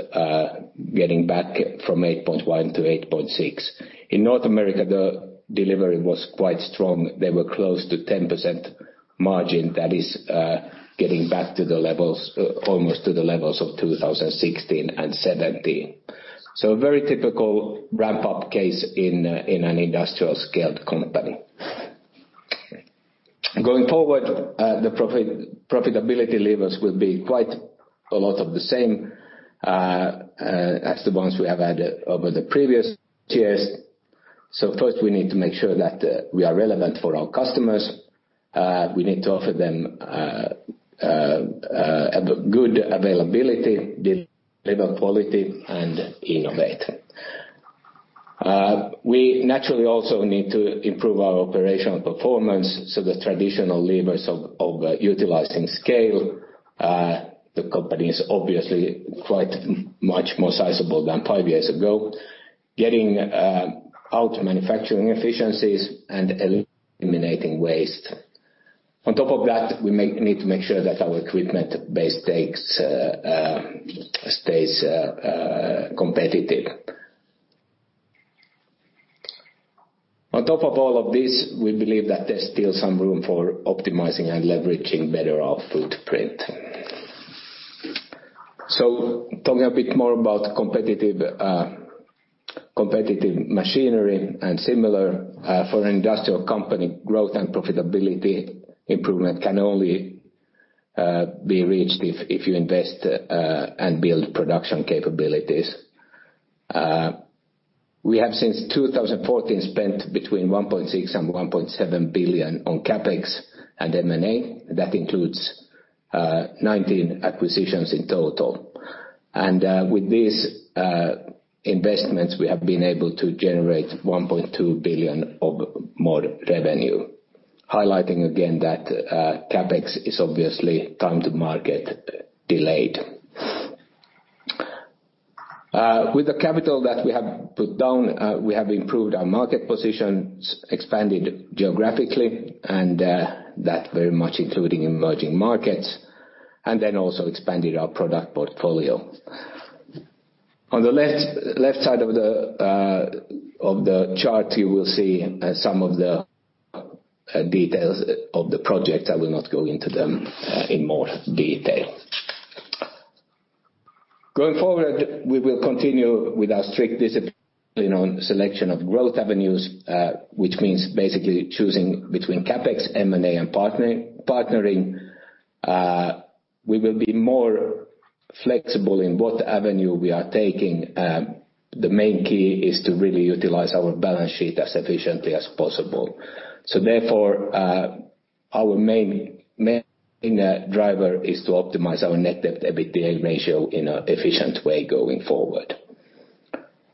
getting back from 8.1 to 8.6. In North America, the delivery was quite strong. They were close to 10% margin. That is, getting back to the levels, almost to the levels of 2016 and 2017. So a very typical ramp-up case in an industrial-scaled company. Going forward, the profitability levers will be quite a lot of the same as the ones we have had over the previous years. So first, we need to make sure that we are relevant for our customers. We need to offer them a good availability, deliver quality, and innovate. We naturally also need to improve our operational performance, so the traditional levers of utilizing scale, the company is obviously quite much more sizable than five years ago, getting our manufacturing efficiencies and eliminating waste. On top of that, we need to make sure that our equipment base stays competitive. On top of all of this, we believe that there's still some room for optimizing and leveraging better our footprint. Talking a bit more about competitive machinery and similar, for an industrial company, growth and profitability improvement can only be reached if you invest and build production capabilities. We have, since 2014, spent between 1.6 billion and 1.7 billion on CapEx and M&A. That includes 19 acquisitions in total. With these investments, we have been able to generate 1.2 billion of more revenue, highlighting again that CapEx is obviously time to market delayed. With the capital that we have put down, we have improved our market position, expanded geographically, and that very much including emerging markets, and then also expanded our product portfolio. On the left side of the chart, you will see some of the details of the project. I will not go into them in more detail. Going forward, we will continue with our strict discipline on selection of growth avenues, which means basically choosing between CapEx, M&A, and partnering. We will be more flexible in what avenue we are taking. The main key is to really utilize our balance sheet as efficiently as possible. So therefore, our main driver is to optimize our net debt EBITDA ratio in an efficient way going forward.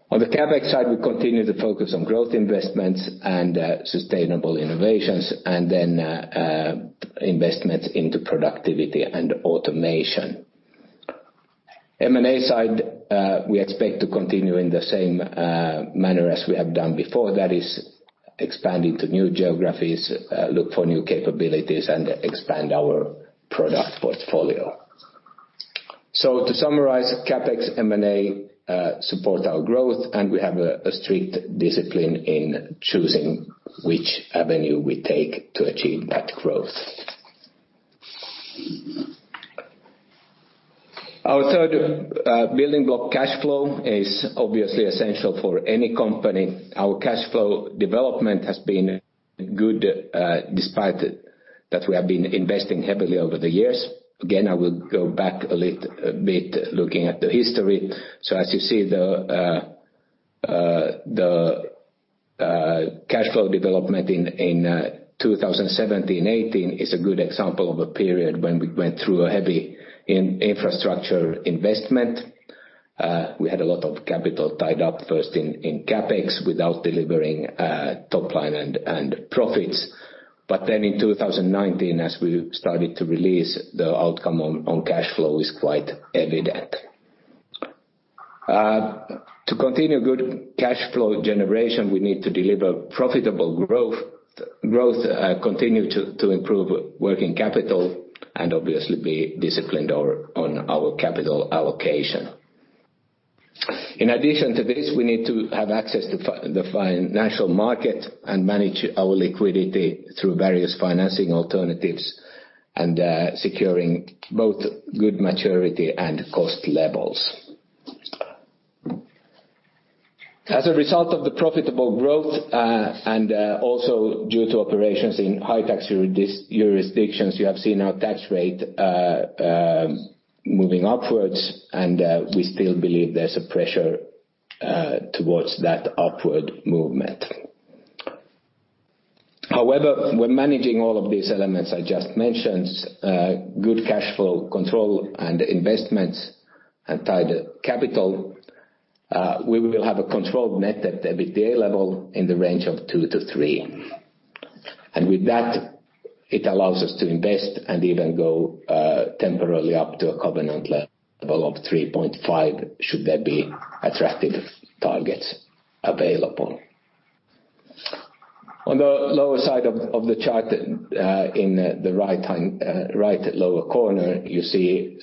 On the CapEx side, we continue to focus on growth investments and sustainable innovations, and then investments into productivity and automation. M&A side, we expect to continue in the same manner as we have done before. That is, expanding to new geographies, look for new capabilities, and expand our product portfolio. So to summarize, CapEx, M&A support our growth, and we have a strict discipline in choosing which avenue we take to achieve that growth. Our third building block, cash flow, is obviously essential for any company. Our cash flow development has been good, despite that we have been investing heavily over the years. Again, I will go back a little bit looking at the history. So as you see, the cash flow development in 2017, 2018 is a good example of a period when we went through a heavy infrastructure investment. We had a lot of capital tied up, first in CapEx, without delivering top line and profits. But then in 2019, as we started to release, the outcome on cash flow is quite evident. To continue good cash flow generation, we need to deliver profitable growth, continue to improve working capital, and obviously be disciplined on our capital allocation. In addition to this, we need to have access to the financial market and manage our liquidity through various financing alternatives and securing both good maturity and cost levels. As a result of the profitable growth and also due to operations in high-tax jurisdictions, you have seen our tax rate moving upwards, and we still believe there's a pressure towards that upward movement. However, when managing all of these elements I just mentioned, good cash flow control, and investments, and tied capital, we will have a controlled net debt EBITDA level in the range of 2-3. And with that, it allows us to invest and even go temporarily up to a covenant level of 3.5, should there be attractive targets available. On the lower side of the chart, in the right-hand right lower corner, you see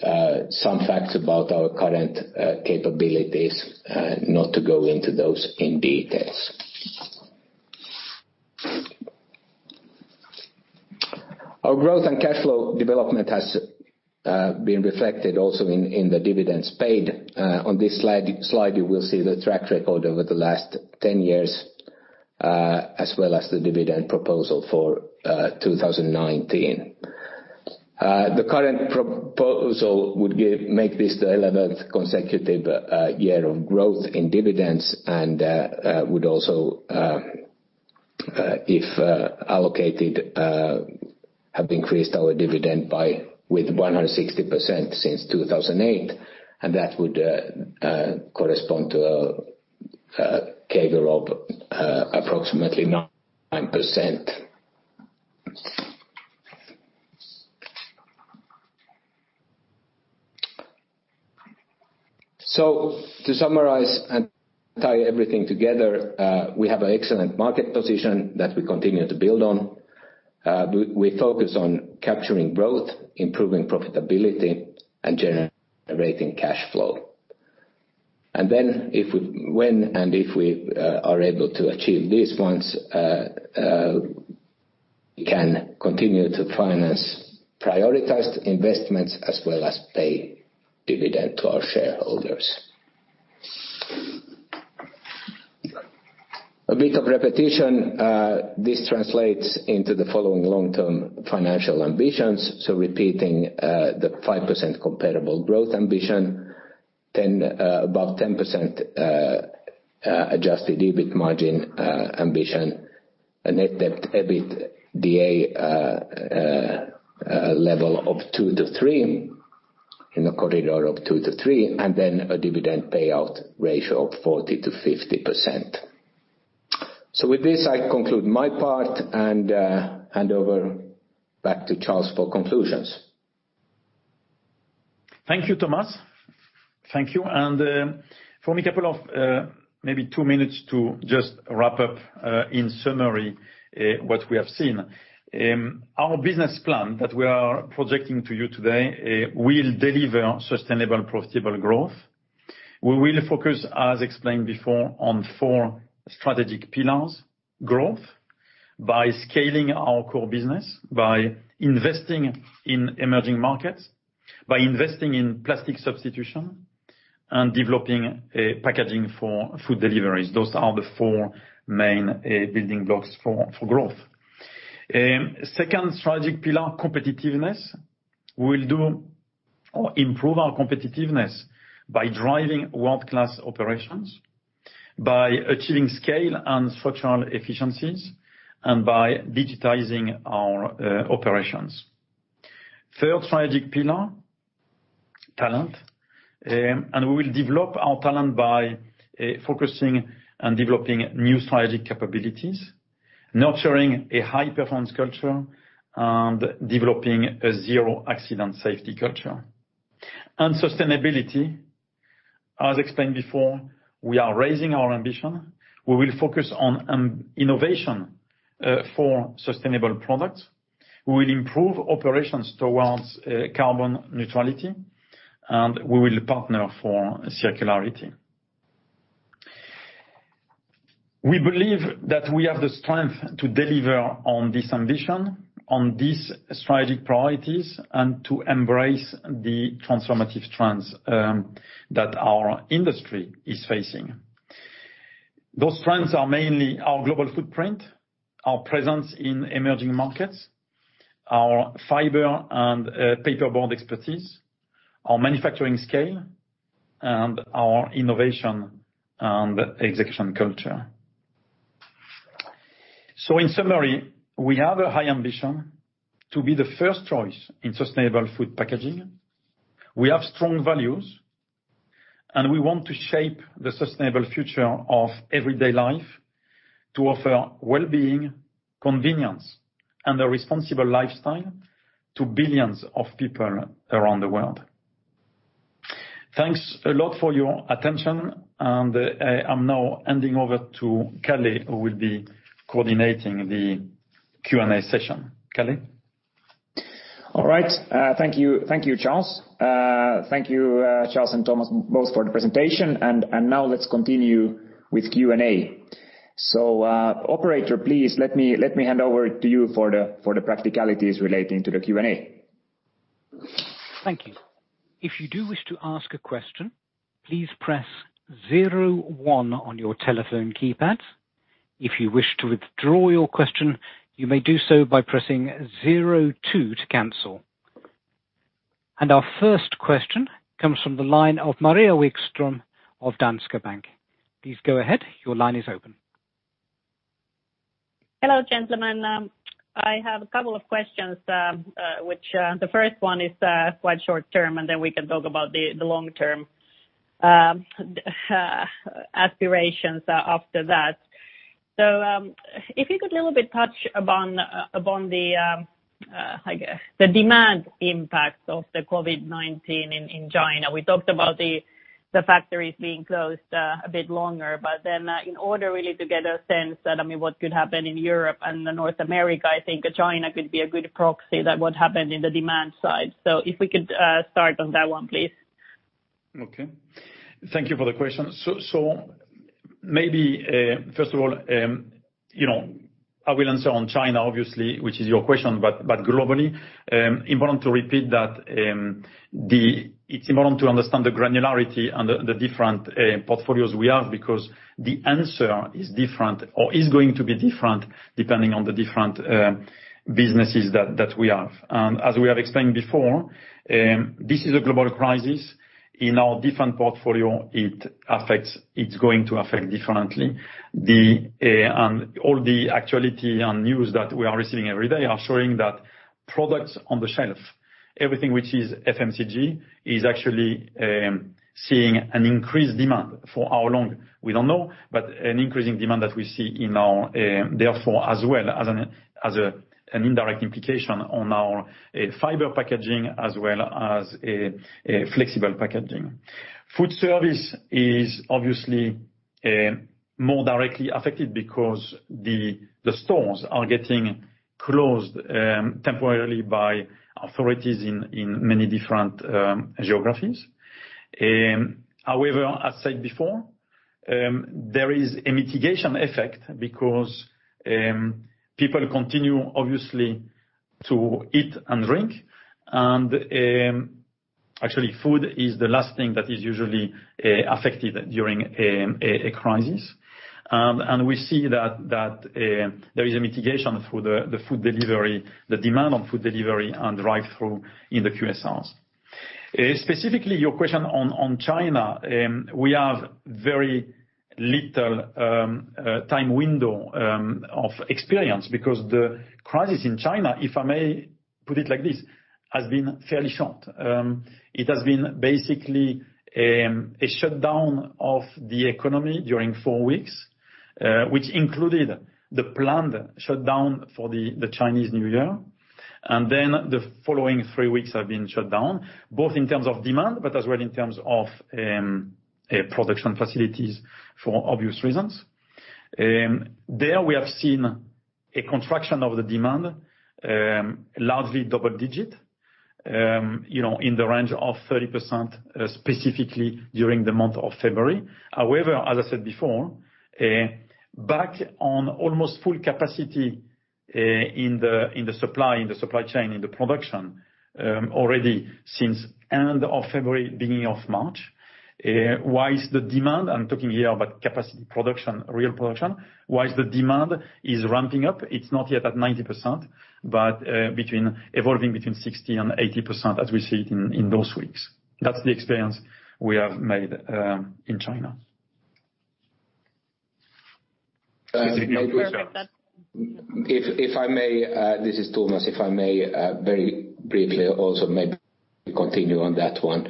some facts about our current capabilities, not to go into those in details. Our growth and cashflow development has been reflected also in the dividends paid. On this slide, you will see the track record over the last 10 years, as well as the dividend proposal for 2019. The current proposal would make this the eleventh consecutive year of growth in dividends and would also, if allocated, have increased our dividend by 160% since 2008, and that would correspond to a CAGR of approximately 9%. So to summarize and tie everything together, we have an excellent market position that we continue to build on. We focus on capturing growth, improving profitability, and generating cash flow. And then, when and if we are able to achieve these ones, we can continue to finance prioritized investments as well as pay dividend to our shareholders. A bit of repetition, this translates into the following long-term financial ambitions, so repeating, the 5% comparable growth ambition, then, above 10%, Adjusted EBIT margin ambition, a net debt EBITDA level of 2-3, in the corridor of 2-3, and then a dividend payout ratio of 40%-50%. So with this, I conclude my part and, hand over back to Charles for conclusions.
Thank you, Thomas. Thank you, and, for a couple of, maybe two minutes to just wrap up, in summary, what we have seen. Our business plan that we are projecting to you today, will deliver sustainable, profitable growth. We will focus, as explained before, on four strategic pillars: growth, by scaling our core business, by investing in emerging markets, by investing in plastic substitution, and developing, packaging for food deliveries. Those are the four main, building blocks for, for growth. Second strategic pillar, competitiveness. We'll do or improve our competitiveness by driving world-class operations, by achieving scale and structural efficiencies, and by digitizing our, operations. Third strategic pillar, talent, and we will develop our talent by, focusing on developing new strategic capabilities, nurturing a high-performance culture, and developing a zero-accident safety culture. Sustainability, as explained before, we are raising our ambition. We will focus on innovation for sustainable products. We will improve operations towards carbon neutrality, and we will partner for circularity. We believe that we have the strength to deliver on this ambition, on these strategic priorities, and to embrace the transformative trends that our industry is facing. Those trends are mainly our global footprint, our presence in emerging markets, our fiber and paperboard expertise, our manufacturing scale, and our innovation and execution culture. So in summary, we have a high ambition to be the first choice in sustainable food packaging. We have strong values, and we want to shape the sustainable future of everyday life to offer well-being, convenience, and a responsible lifestyle to billions of people around the world. Thanks a lot for your attention, and, I'm now handing over to Calle, who will be coordinating the Q&A session. Calle?...
All right, thank you, thank you, Charles. Thank you, Charles and Thomas, both for the presentation. And now let's continue with Q&A. So, operator, please let me hand over to you for the practicalities relating to the Q&A.
Thank you. If you do wish to ask a question, please press zero-one on your telephone keypads. If you wish to withdraw your question, you may do so by pressing zero-two to cancel. And our first question comes from the line of Maria Wikström of Danske Bank. Please go ahead. Your line is open.
Hello, gentlemen. I have a couple of questions, which the first one is quite short term, and then we can talk about the long term aspirations after that. So, if you could a little bit touch upon the like the demand impact of the COVID-19 in China. We talked about the factories being closed a bit longer, but then in order really to get a sense that, I mean, what could happen in Europe and the North America, I think China could be a good proxy that what happened in the demand side. So if we could start on that one, please.
Okay.
Thank you for the question. So maybe, first of all, you know, I will answer on China, obviously, which is your question, but globally, important to repeat that, it's important to understand the granularity and the different portfolios we have, because the answer is different or is going to be different depending on the different businesses that we have. And as we have explained before, this is a global crisis. In our different portfolio, it's going to affect differently. And all the actuality and news that we are receiving every day are showing that products on the shelf, everything which is FMCG, is actually seeing an increased demand. For how long, we don't know, but an increasing demand that we see in our... Therefore, as well as an indirect implication on our Fiber Packaging as well as Flexible Packaging. Foodservice is obviously more directly affected because the stores are getting closed temporarily by authorities in many different geographies. However, as said before, there is a mitigation effect because people continue, obviously, to eat and drink. And actually, food is the last thing that is usually affected during a crisis. And we see that there is a mitigation through the food delivery, the demand on food delivery and drive-through in the QSRs. Specifically, your question on China, we have very little time window of experience, because the crisis in China, if I may put it like this, has been fairly short. It has been basically a shutdown of the economy during 4 weeks, which included the planned shutdown for the Chinese New Year, and then the following 3 weeks have been shut down, both in terms of demand, but as well in terms of production facilities for obvious reasons. There, we have seen a contraction of the demand, largely double-digit, you know, in the range of 30%, specifically during the month of February. However, as I said before, back on almost full capacity in the supply chain, in the production already since end of February, beginning of March, while the demand, I'm talking here about capacity, production, real production, while the demand is ramping up, it's not yet at 90%, but evolving between 60% and 80%, as we see it in those weeks. That's the experience we have made in China.
Uh-
Is it clear, sir?
Perfect, that-
If I may, this is Thomas. If I may, very briefly, also maybe continue on that one.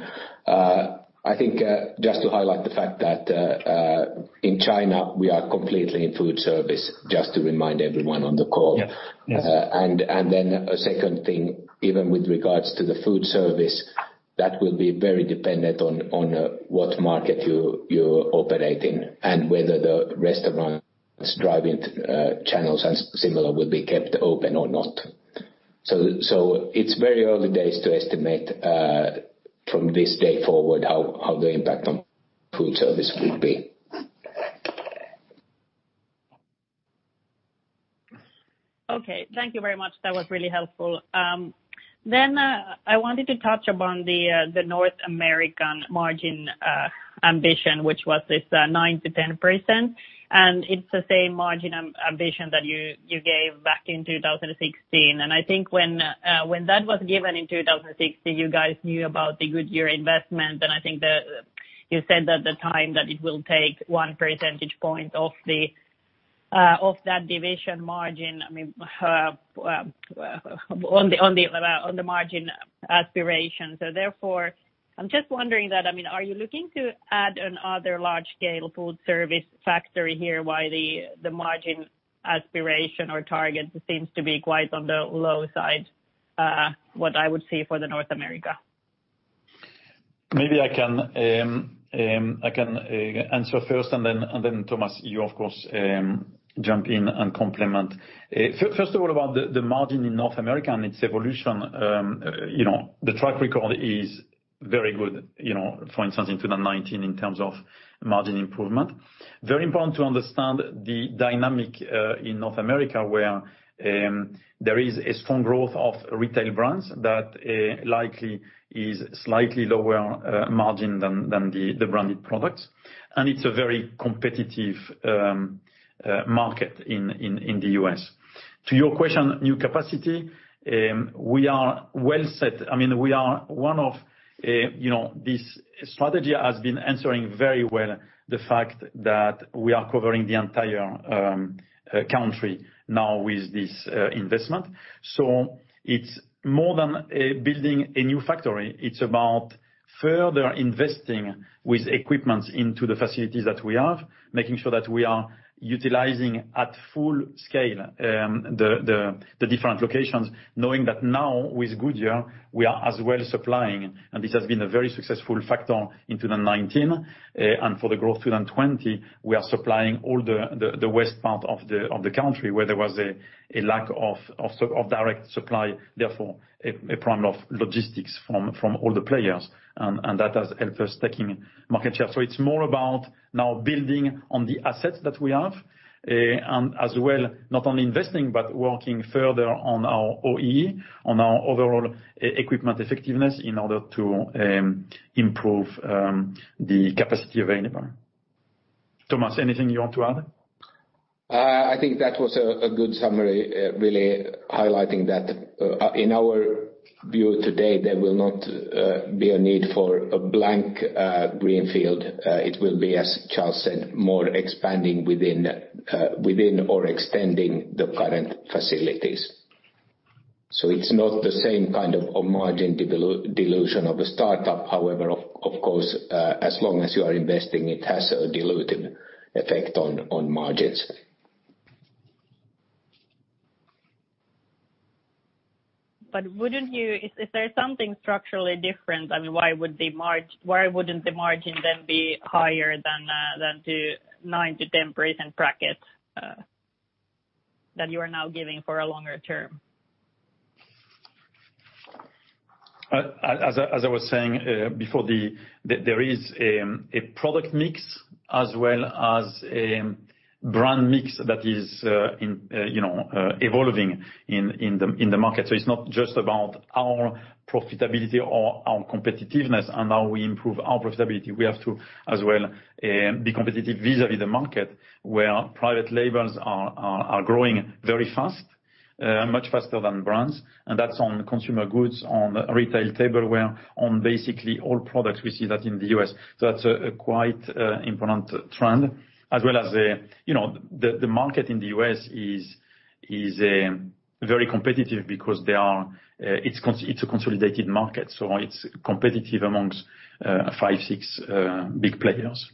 I think, just to highlight the fact that, in China, we are completely in Foodservice, just to remind everyone on the call.
Yeah. Yes.
Then a second thing, even with regards to the Foodservice, that will be very dependent on what market you operate in, and whether the restaurants, drive-in channels, and similar will be kept open or not. So it's very early days to estimate from this day forward how the impact on Foodservice will be.
Okay. Thank you very much. That was really helpful. Then, I wanted to touch upon the North American margin ambition, which was this 9%-10%, and it's the same margin ambition that you gave back in 2016. And I think when that was given in 2016, you guys knew about the Goodyear investment, and I think that you said at the time that it will take one percentage point off that division margin. I mean on the margin aspiration. So therefore, I'm just wondering that, I mean, are you looking to add another large-scale Foodservice factory here? Why the margin aspiration or target seems to be quite on the low side, what I would see for the North America?...
Maybe I can answer first, and then, Thomas, you, of course, jump in and complement. First of all, about the margin in North America and its evolution, you know, the track record is very good, you know, for instance, in 2019 in terms of margin improvement. Very important to understand the dynamic in North America, where there is a strong growth of retail brands that likely is slightly lower margin than the branded products. And it's a very competitive market in the U.S. To your question, new capacity, we are well set. I mean, we are one of, you know, this strategy has been answering very well the fact that we are covering the entire country now with this investment. So it's more than building a new factory, it's about further investing with equipment into the facilities that we have, making sure that we are utilizing at full scale the different locations, knowing that now, with Goodyear, we are as well supplying, and this has been a very successful factor in 2019. And for the growth 2020, we are supplying all the west part of the country, where there was a lack of direct supply, therefore, a problem of logistics from all the players. And that has helped us taking market share. So it's more about now building on the assets that we have, and as well, not only investing, but working further on our OEE, on our overall equipment effectiveness in order to improve the capacity available. Thomas, anything you want to add?
I think that was a good summary, really highlighting that, in our view today, there will not be a need for a brand-new greenfield. It will be, as Charles said, more expanding within or extending the current facilities. So it's not the same kind of margin dilution of a startup. However, of course, as long as you are investing, it has a dilutive effect on margins.
But wouldn't you? If there's something structurally different, I mean, why wouldn't the margin then be higher than the 9%-10% bracket that you are now giving for a longer term?
As I was saying, before the... There is a product mix as well as brand mix that is, you know, evolving in the market. So it's not just about our profitability or our competitiveness, and how we improve our profitability. We have to, as well, be competitive vis-à-vis the market, where private labels are growing very fast, much faster than brands. And that's on consumer goods, on retail tableware, on basically all products we see that in the U.S. So that's a quite important trend as well as, you know, the market in the U.S. is very competitive because it's a consolidated market, so it's competitive amongst five, six big players.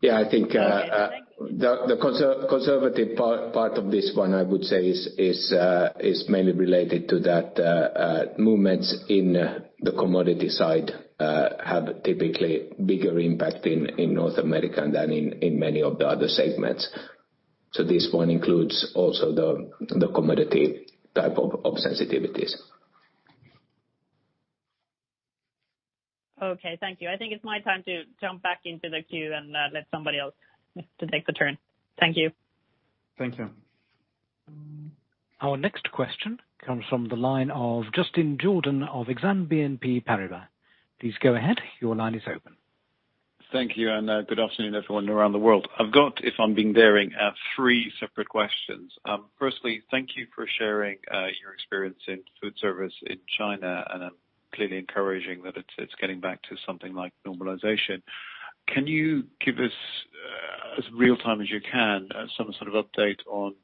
Yeah, I think,
Okay, thank you.
The conservative part of this one, I would say, is mainly related to that movements in the commodity side have typically bigger impact in North America than in many of the other segments. So this one includes also the commodity type of sensitivities.
Okay, thank you. I think it's my time to jump back into the queue and, let somebody else to take the turn. Thank you.
Thank you.
Our next question comes from the line of Justin Jordan of Exane BNP Paribas. Please go ahead. Your line is open.
Thank you, and good afternoon, everyone around the world. I've got, if I'm being daring, three separate questions. Firstly, thank you for sharing your experience in Foodservice in China, and I'm clearly encouraging that it's, it's getting back to something like normalization. Can you give us, as real time as you can, some sort of update on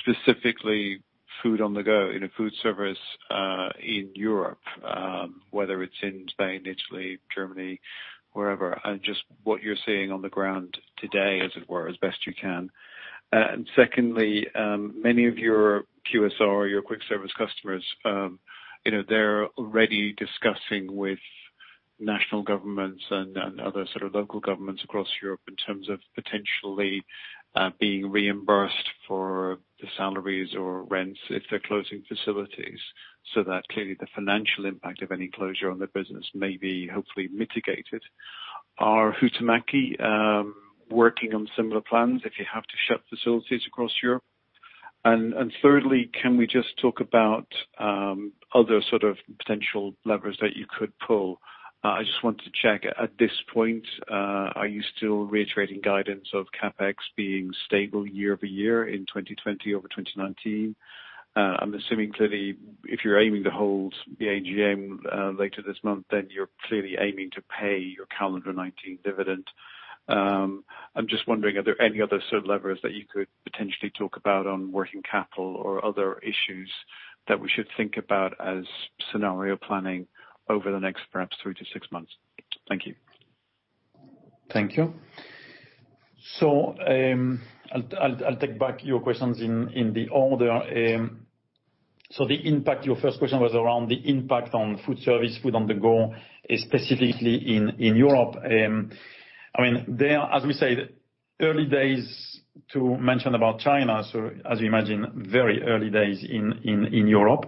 specifically food on the go, you know, Foodservice, in Europe, whether it's in Spain, Italy, Germany, wherever, and just what you're seeing on the ground today, as it were, as best you can? And secondly, many of your QSR, your quick service customers, you know, they're already discussing with national governments and other sort of local governments across Europe in terms of potentially being reimbursed for the salaries or rents if they're closing facilities, so that clearly the financial impact of any closure on their business may be hopefully mitigated. Are Huhtamäki working on similar plans if you have to shut facilities across Europe? And thirdly, can we just talk about other sort of potential levers that you could pull? I just want to check, at this point, are you still reiterating guidance of CapEx being stable year-over-year in 2020 over 2019? I'm assuming clearly, if you're aiming to hold the AGM later this month, then you're clearly aiming to pay your calendar 2019 dividend. I'm just wondering, are there any other sort of levers that you could potentially talk about on working capital or other issues that we should think about as scenario planning over the next perhaps 3-6 months? Thank you.
...Thank you. So, I'll take back your questions in the order. So the impact, your first question was around the impact on Foodservice, food on the go, specifically in Europe. I mean, there, as we said, early days to mention about China, so as you imagine, very early days in Europe.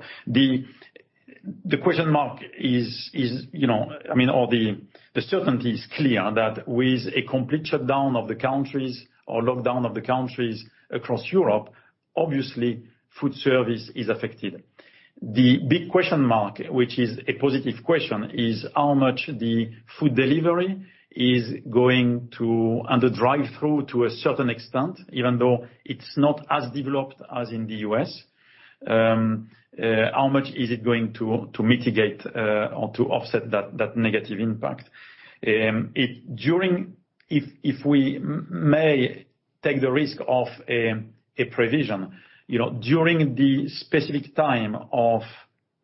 The question mark is, you know, I mean, or the certainty is clear that with a complete shutdown of the countries or lockdown of the countries across Europe, obviously, Foodservice is affected. The big question mark, which is a positive question, is how much the food delivery is going to—and the drive-through to a certain extent, even though it's not as developed as in the U.S., how much is it going to mitigate or to offset that negative impact? If we may take the risk of a provision, you know, during the specific time of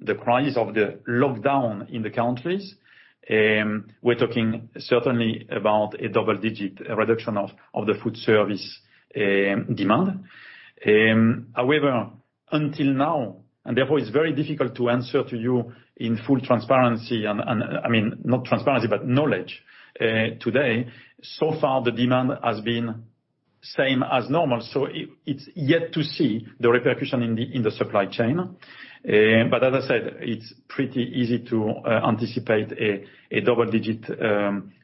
the crisis, of the lockdown in the countries, we're talking certainly about a double digit reduction of the Foodservice demand. However, until now, and therefore it's very difficult to answer to you in full transparency, and, I mean, not transparency, but knowledge, today, so far, the demand has been same as normal, so it's yet to see the repercussion in the supply chain. But as I said, it's pretty easy to anticipate a double digit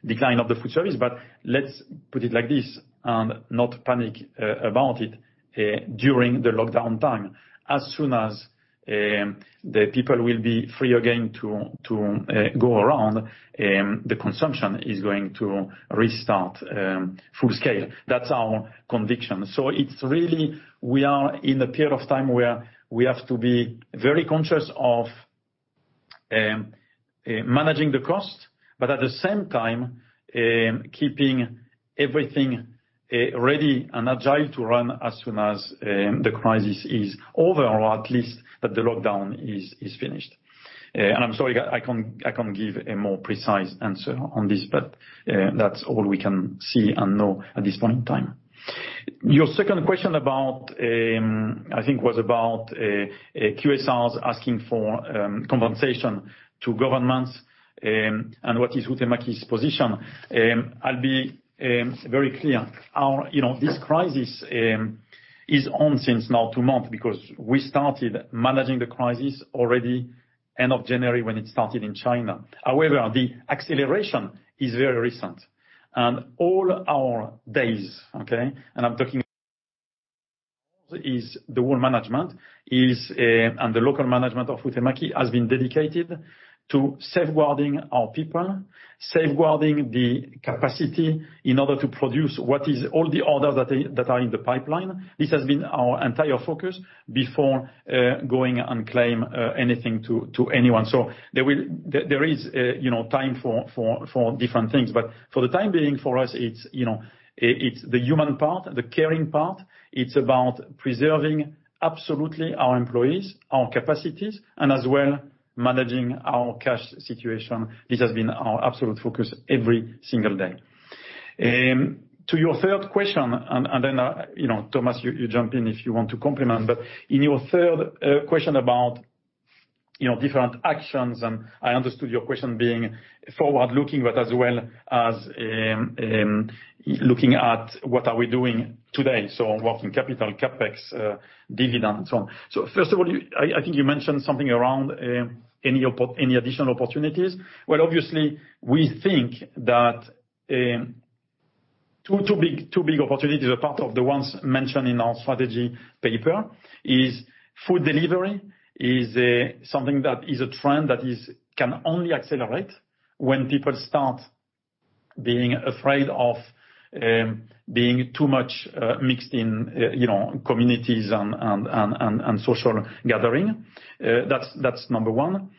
decline of the Foodservice. But let's put it like this, and not panic about it during the lockdown time. As soon as the people will be free again to go around, the consumption is going to restart full scale. That's our conviction. So it's really. We are in a period of time where we have to be very conscious of managing the cost, but at the same time keeping everything ready and agile to run as soon as the crisis is over, or at least that the lockdown is finished. I'm sorry I can't give a more precise answer on this, but that's all we can see and know at this point in time. Your second question about, I think, was about QSRs asking for compensation to governments, and what is Huhtamäki's position? I'll be very clear. Our, you know, this crisis is on since now two months, because we started managing the crisis already end of January, when it started in China. However, the acceleration is very recent, and all our days, okay, and I'm talking is the whole management, and the local management of Huhtamäki has been dedicated to safeguarding our people, safeguarding the capacity in order to produce what is all the orders that are in the pipeline. This has been our entire focus before going and claim anything to anyone. So there will, there is, you know, time for different things, but for the time being, for us, it's, you know, it's the human part, the caring part. It's about preserving absolutely our employees, our capacities, and as well, managing our cash situation. This has been our absolute focus every single day. To your third question, and then, you know, Thomas, you jump in if you want to complement, but in your third question about, you know, different actions, and I understood your question being forward-looking, but as well as looking at what are we doing today, so working capital, CapEx, dividend, so on. So first of all, I think you mentioned something around any additional opportunities? Well, obviously, we think that 2 big opportunities, apart from the ones mentioned in our strategy paper, is food delivery is something that is a trend that can only accelerate when people start being afraid of being too much mixed in, you know, communities and social gathering. That's number one.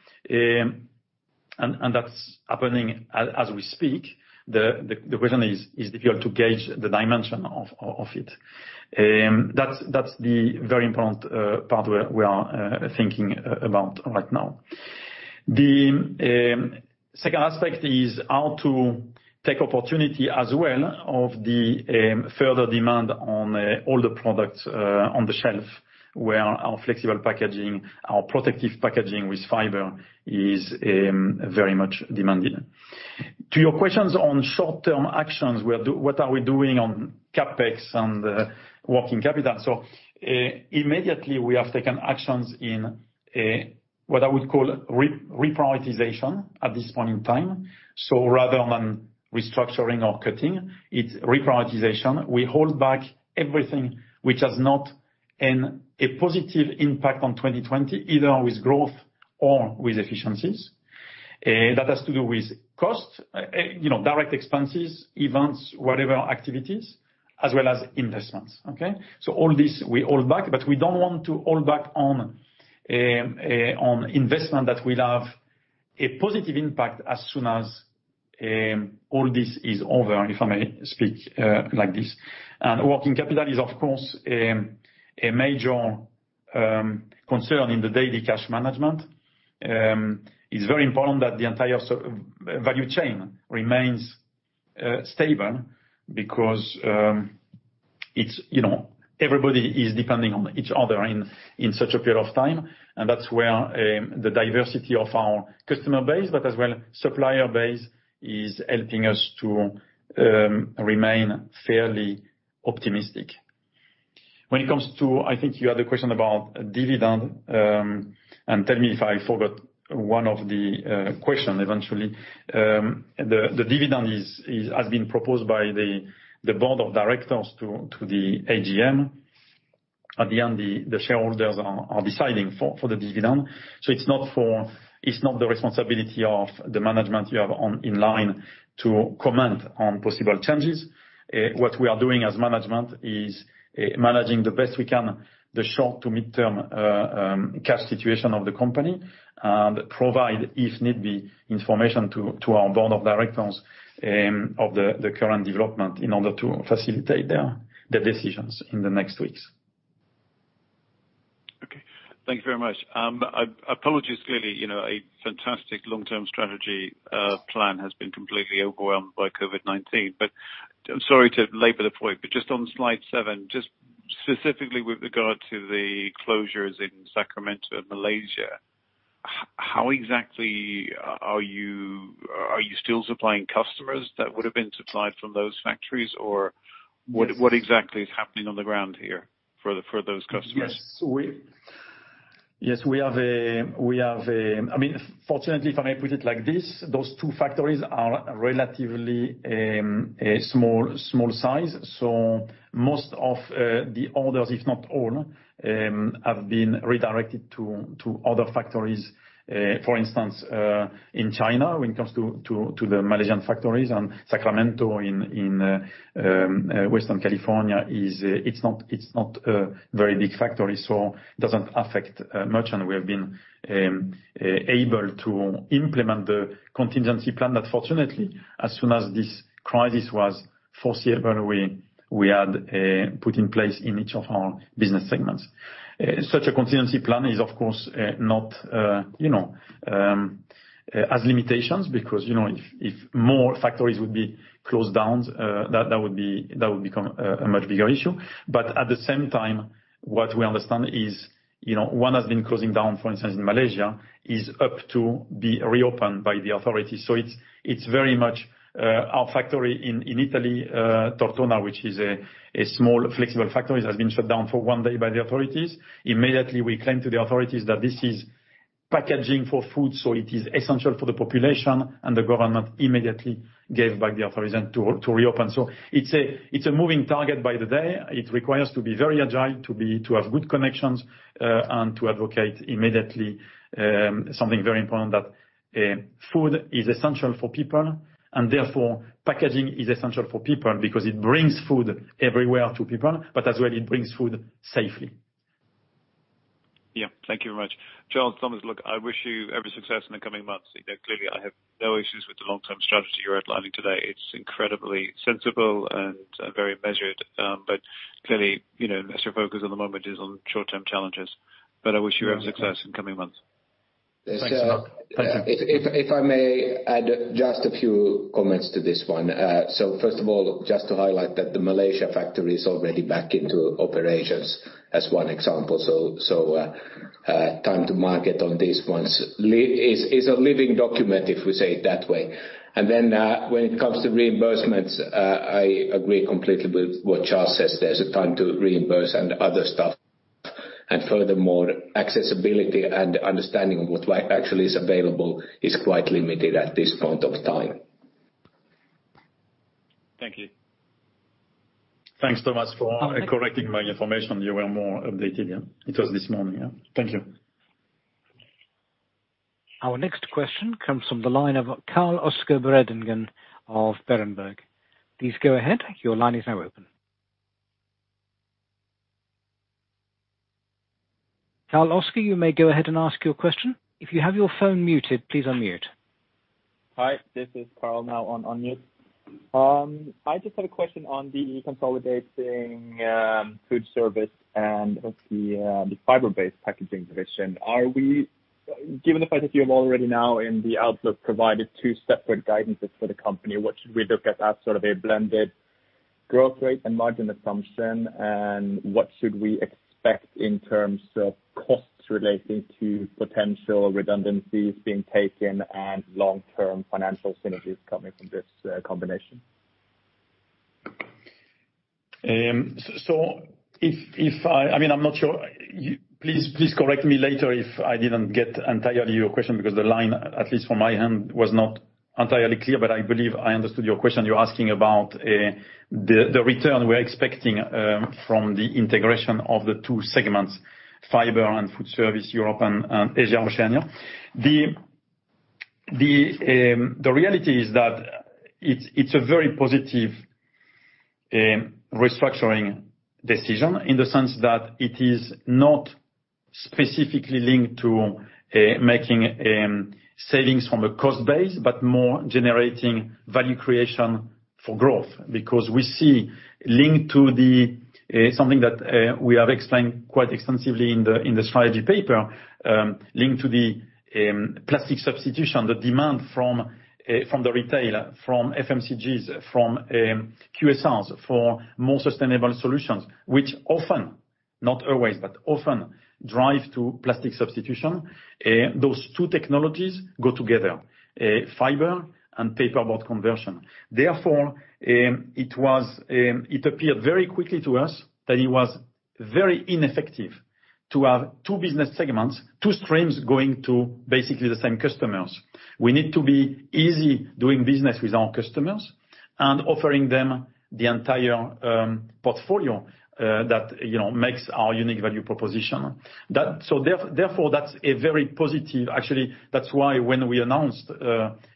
And that's happening as we speak. The question is difficult to gauge the dimension of it. That's the very important part we are thinking about right now. The second aspect is how to take opportunity as well of the further demand on all the products on the shelf, where our Flexible Packaging, our protective packaging with fiber is very much demanded. To your questions on short-term actions, what are we doing on CapEx and working capital? So, immediately, we have taken actions in what I would call reprioritization at this point in time. So rather than restructuring or cutting, it's reprioritization. We hold back everything which has not a positive impact on 2020, either with growth or with efficiencies. That has to do with cost, you know, direct expenses, events, whatever activities, as well as investments, okay? So all this we hold back, but we don't want to hold back on investment that will have a positive impact as soon as all this is over, if I may speak like this. And working capital is, of course, a major concern in the daily cash management. It's very important that the entire value chain remains stable because it's, you know, everybody is depending on each other in such a period of time, and that's where the diversity of our customer base, but as well supplier base, is helping us to remain fairly optimistic. When it comes to, I think you had a question about dividend, and tell me if I forgot one of the questions eventually. The dividend has been proposed by the board of directors to the AGM. At the end, the shareholders are deciding for the dividend, so it's not, it's not the responsibility of the management you have online to comment on possible changes. What we are doing as management is managing the best we can, the short to mid-term cash situation of the company, and provide, if need be, information to our board of directors, of the current development in order to facilitate their decisions in the next weeks.
Okay, thank you very much. Apologies, clearly, you know, a fantastic long-term strategy, plan has been completely overwhelmed by COVID-19. But I'm sorry to labor the point, but just on slide seven, just specifically with regard to the closures in Sacramento and Malaysia, how exactly are you... Are you still supplying customers that would have been supplied from those factories, or what-
Yes.
What exactly is happening on the ground here for those customers?
Yes. Yes, we have a, we have a. I mean, fortunately, if I may put it like this, those two factories are relatively small, small size, so most of the orders, if not all, have been redirected to other factories. For instance, in China, when it comes to the Malaysian factories, and Sacramento in western California is, it's not a very big factory, so it doesn't affect much, and we have been able to implement the contingency plan that fortunately, as soon as this crisis was foreseeable, we had put in place in each of our business segments. Such a contingency plan is, of course, not without limitations, because, you know, if more factories would be closed down, that would become a much bigger issue. But at the same time, what we understand is, you know, one has been closed down, for instance, in Malaysia, due to be reopened by the authorities. So it's very much our factory in Italy, Tortona, which is a small, flexible factory, has been shut down for one day by the authorities. Immediately, we claimed to the authorities that this is packaging for food, so it is essential for the population, and the government immediately gave back the authorization to reopen. So it's a moving target by the day. It requires to be very agile, to have good connections, and to advocate immediately, something very important that, food is essential for people, and therefore, packaging is essential for people because it brings food everywhere to people, but as well, it brings food safely.
Yeah. Thank you very much. Charles Héaulmé, Thomas Geust, look, I wish you every success in the coming months. You know, clearly, I have no issues with the long-term strategy you're outlining today. It's incredibly sensible and, and very measured, but clearly, you know, as your focus at the moment is on short-term challenges. But I wish you every success in the coming months.
Thanks a lot.
If I may add just a few comments to this one. So first of all, just to highlight that the Malaysia factory is already back into operations, as one example. Time to market on these ones is a living document, if we say it that way. And then, when it comes to reimbursements, I agree completely with what Charles says. There's a time to reimburse and other stuff, and furthermore, accessibility and understanding of what actually is available is quite limited at this point of time.
Thank you.
Thanks, Thomas, for correcting my information. You were more updated, yeah. It was this morning, yeah. Thank you.
Our next question comes from the line of Carl-Oscar Bredengen of Berenberg. Please go ahead. Your line is now open. Carl-Oscar, you may go ahead and ask your question. If you have your phone muted, please unmute.
Hi, this is Carl now on mute. I just have a question on the consolidating Foodservice and the fiber-based packaging division. Are we, given the fact that you have already now, in the outlook, provided two separate guidances for the company, what should we look at as sort of a blended growth rate and margin assumption, and what should we expect in terms of costs relating to potential redundancies being taken and long-term financial synergies coming from this combination?
So if I... I mean, I'm not sure. Please correct me later if I didn't get entirely your question, because the line, at least from my end, was not entirely clear, but I believe I understood your question. You're asking about the return we're expecting from the integration of the two segments, Fiber and Foodservice Europe-Asia-Oceania. The reality is that it's a very positive restructuring decision in the sense that it is not specifically linked to making savings from a cost base, but more generating value creation-... for growth, because we see linked to the something that we have explained quite extensively in the strategy paper, linked to the plastic substitution, the demand from the retailer, from FMCGs, from QSRs, for more sustainable solutions, which often, not always, but often drive to plastic substitution. Those two technologies go together, Fiber and paperboard conversion. Therefore, it was, it appeared very quickly to us that it was very ineffective to have two business segments, two streams going to basically the same customers. We need to be easy doing business with our customers and offering them the entire portfolio that, you know, makes our unique value proposition. Therefore, that's a very positive. Actually, that's why when we announced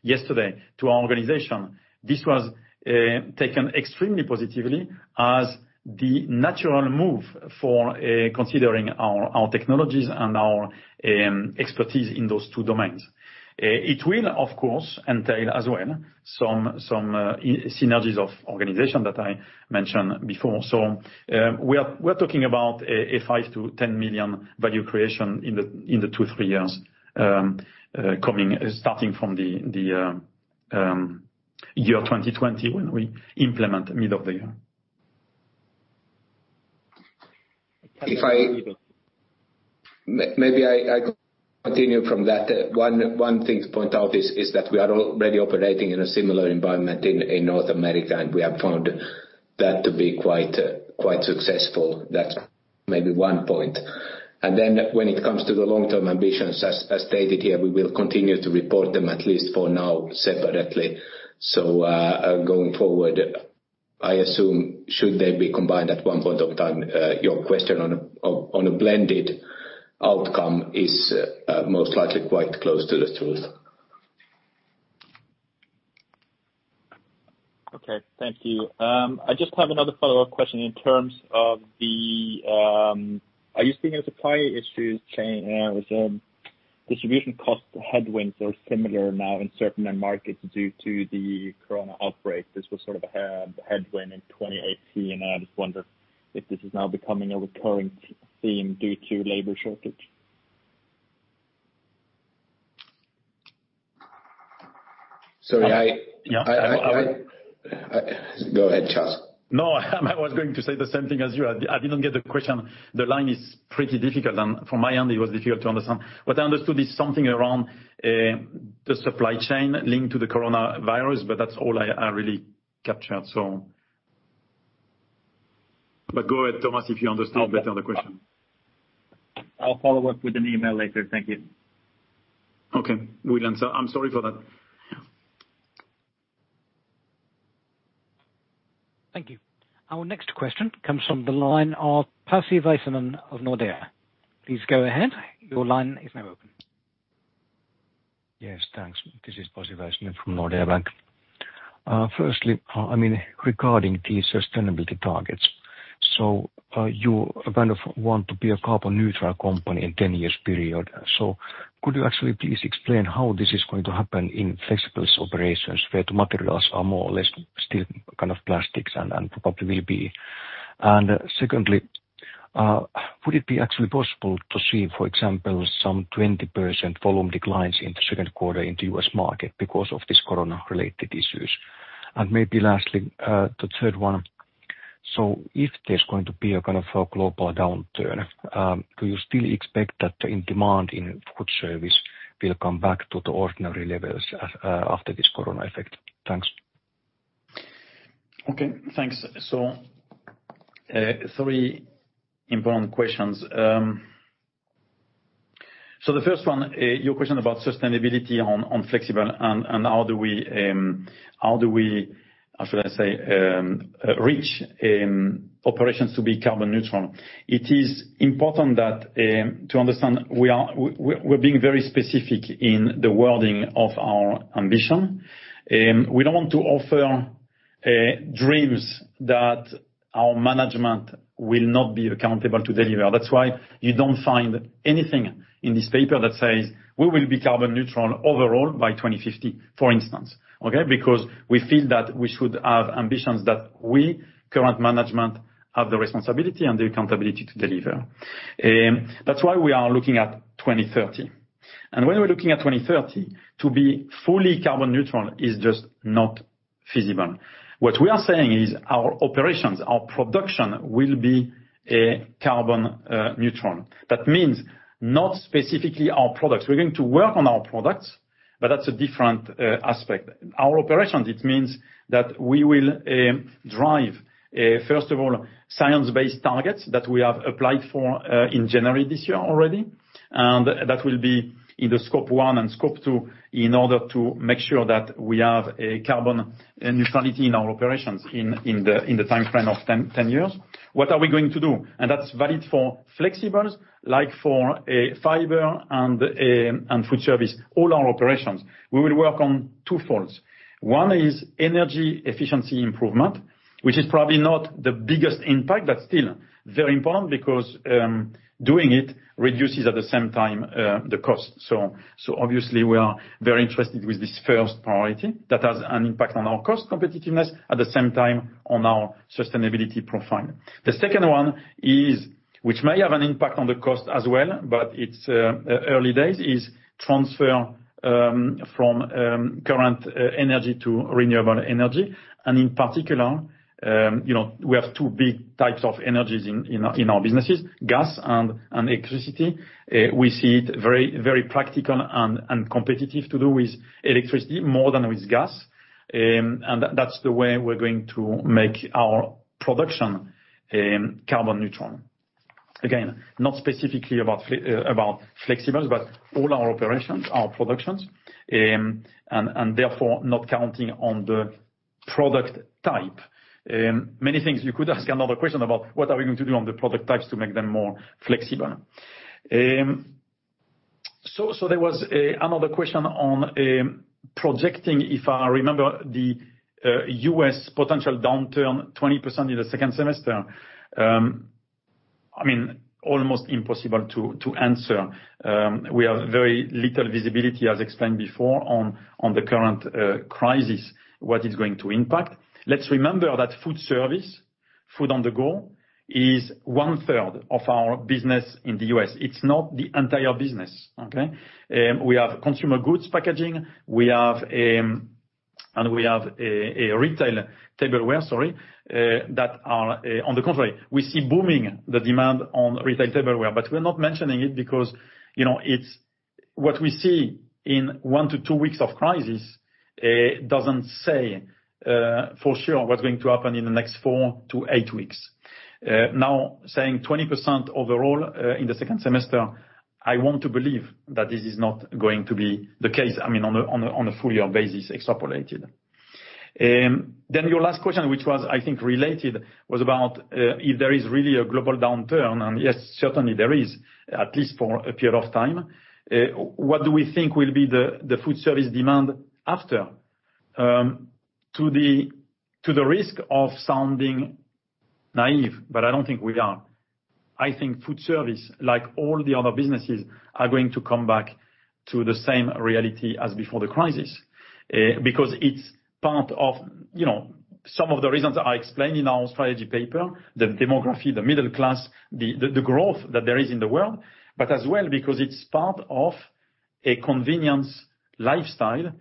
yesterday to our organization, this was taken extremely positively as the natural move for considering our technologies and our expertise in those two domains. It will, of course, entail as well some synergies of organization that I mentioned before. So, we are talking about a 5-10 million value creation in the 2-3 years coming, starting from the year 2020, when we implement mid of the year.
Maybe I continue from that. One thing to point out is that we are already operating in a similar environment in North America, and we have found that to be quite, quite successful. That's maybe one point. Then when it comes to the long-term ambitions, as stated here, we will continue to report them, at least for now, separately. So, going forward, I assume, should they be combined at one point of time, your question on a blended outcome is most likely quite close to the truth.
Okay. Thank you. I just have another follow-up question in terms of the, are you seeing a supply issues chain with distribution cost headwinds are similar now in certain markets due to the corona outbreak? This was sort of a headwind in 2018, and I just wonder if this is now becoming a recurring theme due to labor shortage.
Sorry, I-
Yeah.
Go ahead, Charles.
No, I was going to say the same thing as you. I, I didn't get the question. The line is pretty difficult, and from my end, it was difficult to understand. What I understood is something around the supply chain linked to the coronavirus, but that's all I, I really captured, so... But go ahead, Thomas, if you understand better the question.
I'll follow up with an email later. Thank you.
Okay, well done. So I'm sorry for that.
Thank you. Our next question comes from the line of Pasi Väisänen of Nordea. Please go ahead, your line is now open.
Yes, thanks. This is Pasi Väisänen from Nordea. Firstly, I mean, regarding the sustainability targets, so, you kind of want to be a carbon neutral company in 10 years period. So could you actually please explain how this is going to happen in flexibles' operations, where the materials are more or less still kind of plastics and, and probably will be? And secondly, would it be actually possible to see, for example, some 20% volume declines in the second quarter in the U.S. market because of these corona-related issues? And maybe lastly, the third one, so if there's going to be a kind of a global downturn, do you still expect that in demand in Foodservice will come back to the ordinary levels, after this corona effect? Thanks.
Okay, thanks. So, three important questions. So the first one, your question about sustainability on, on Flexible and, and how do we, how do we, how should I say, reach, operations to be carbon neutral? It is important that, to understand we are, we, we, we're being very specific in the wording of our ambition. We don't want to offer, dreams that our management will not be accountable to deliver. That's why you don't find anything in this paper that says, "We will be carbon neutral overall by 2050," for instance, okay? Because we feel that we should have ambitions that we, current management, have the responsibility and the accountability to deliver. That's why we are looking at 2030. And when we're looking at 2030, to be fully carbon neutral is just not feasible. What we are saying is our operations, our production, will be carbon neutral. That means not specifically our products. We're going to work on our products, but that's a different aspect. Our operations, it means that we will drive first of all science-based targets that we have applied for in January this year already. And that will be in the Scope 1 and Scope 2, in order to make sure that we have a carbon neutrality in our operations in the timeframe of 10 years. What are we going to do? And that's valid for Flexibles, like for Fiber and Foodservice, all our operations. We will work on two folds. One is energy efficiency improvement, which is probably not the biggest impact, but still very important because doing it reduces, at the same time, the cost. So obviously, we are very interested with this first priority. That has an impact on our cost competitiveness, at the same time, on our sustainability profile. The second one is, which may have an impact on the cost as well, but it's early days, is transfer from current energy to renewable energy. And in particular, you know, we have two big types of energies in our businesses, gas and electricity. We see it very practical and competitive to do with electricity more than with gas. And that's the way we're going to make our production carbon neutral. Again, not specifically about Flexibles, but all our operations, our productions. And therefore, not counting on the product type. Many things you could ask another question about what are we going to do on the product types to make them more flexible? So there was another question on projecting, if I remember, the U.S. potential downturn, 20% in the second semester. I mean, almost impossible to answer. We have very little visibility, as explained before, on the current crisis, what is going to impact. Let's remember that Foodservice, food on the go, is one third of our business in the U.S. It's not the entire business, okay? We have consumer goods packaging, and we have retail tableware, sorry, that are... On the contrary, we see booming the demand on retail tableware, but we're not mentioning it because, you know, it's-- what we see in 1-2 weeks of crisis doesn't say for sure what's going to happen in the next 4-8 weeks. Now, saying 20% overall in the second semester, I want to believe that this is not going to be the case, I mean, on a full year basis, extrapolated. Then your last question, which was, I think, related, was about if there is really a global downturn, and yes, certainly there is, at least for a period of time. What do we think will be the Foodservice demand after? To the risk of sounding naive, but I don't think we are. I think Foodservice, like all the other businesses, are going to come back to the same reality as before the crisis, because it's part of, you know, some of the reasons I explained in our strategy paper, the demography, the middle class, the growth that there is in the world, but as well, because it's part of a convenience lifestyle that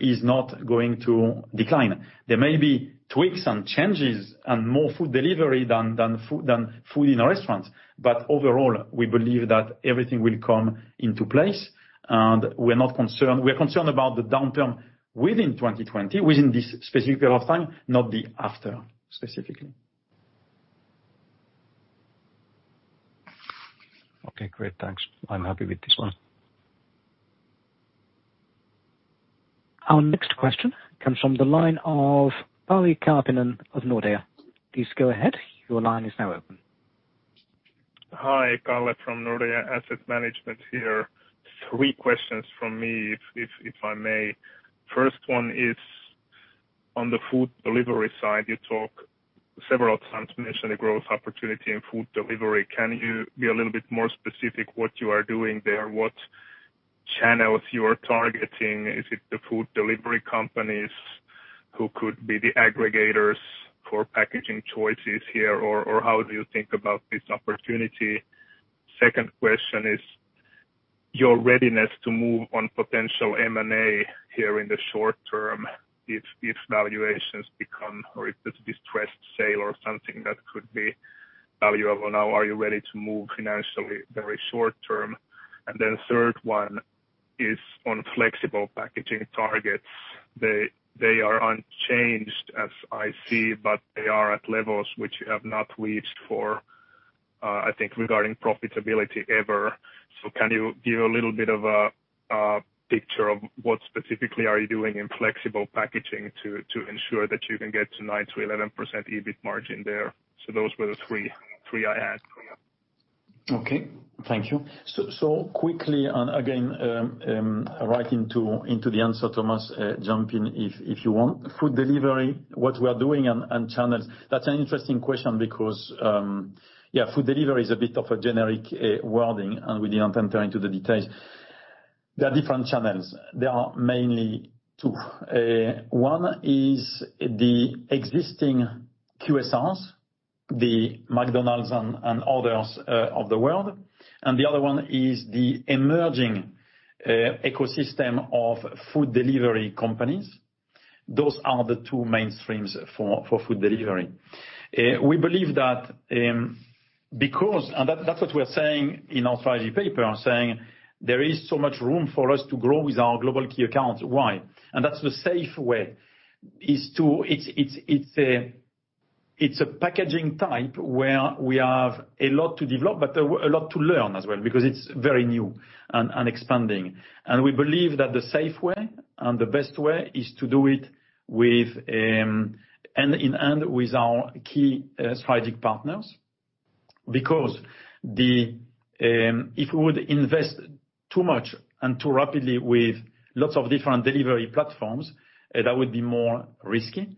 is not going to decline. There may be tweaks and changes, and more food delivery than food in a restaurant, but overall, we believe that everything will come into place, and we're not concerned. We're concerned about the downturn within 2020, within this specific period of time, not the after, specifically.
Okay, great. Thanks. I'm happy with this one.
Our next question comes from the line of Pauli Karppinen of Nordea. Please go ahead. Your line is now open.
Hi, Pauli from Nordea Asset Management here. Three questions from me, if I may. First one is on the food delivery side. You talk several times, mentioned a growth opportunity in food delivery. Can you be a little bit more specific what you are doing there? What channels you are targeting? Is it the food delivery companies who could be the aggregators for packaging choices here, or how do you think about this opportunity? Second question is, your readiness to move on potential M&A here in the short term, if valuations become or if it's a distressed sale or something that could be valuable now. Are you ready to move financially very short term? And then third one is on Flexible Packaging targets. They are unchanged, as I see, but they are at levels which you have not reached for, I think, regarding profitability, ever. So can you give a little bit of a picture of what specifically are you doing in Flexible Packaging to ensure that you can get to 9%-11% EBIT margin there? So those were the three I had.
Okay. Thank you. So quickly, and again, right into the answer, Thomas, jump in if you want. Food delivery, what we are doing and channels, that's an interesting question because yeah, food delivery is a bit of a generic wording, and we didn't enter into the details. There are different channels. There are mainly two. One is the existing QSRs, the McDonald's and others of the world, and the other one is the emerging ecosystem of food delivery companies. Those are the two mainstreams for food delivery. We believe that because... And that's what we are saying in our strategy paper, saying there is so much room for us to grow with our global key accounts. Why? And that's the safe way is to it's a packaging type where we have a lot to develop, but a lot to learn as well, because it's very new and expanding. And we believe that the safe way, and the best way, is to do it with hand in hand with our key strategic partners because if we would invest too much and too rapidly with lots of different delivery platforms, that would be more risky.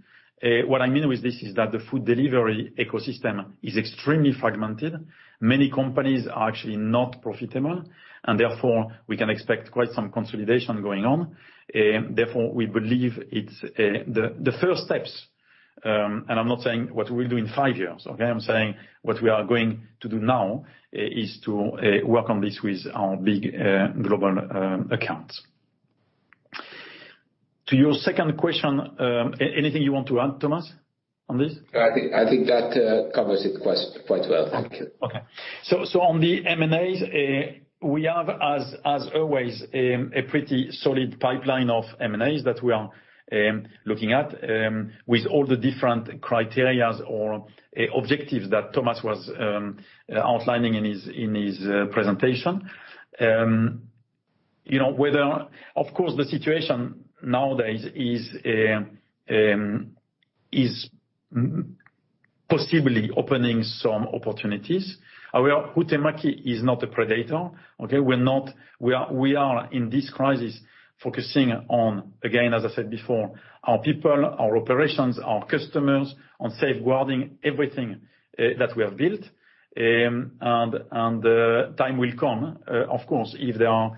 What I mean with this is that the food delivery ecosystem is extremely fragmented. Many companies are actually not profitable, and therefore we can expect quite some consolidation going on. Therefore, we believe it's the first steps, and I'm not saying what we'll do in five years, okay? I'm saying what we are going to do now is to work on this with our big global accounts. To your second question, anything you want to add, Thomas, on this?
I think that covers it quite well. Thank you.
Okay. So on the M&As, we have as always a pretty solid pipeline of M&As that we are looking at with all the different criteria or objectives that Thomas was outlining in his presentation. You know. Of course, the situation nowadays is possibly opening some opportunities. However, Huhtamäki is not a predator, okay? We're not. We are in this crisis focusing on, again, as I said before, our people, our operations, our customers, on safeguarding everything that we have built. And time will come, of course, if there are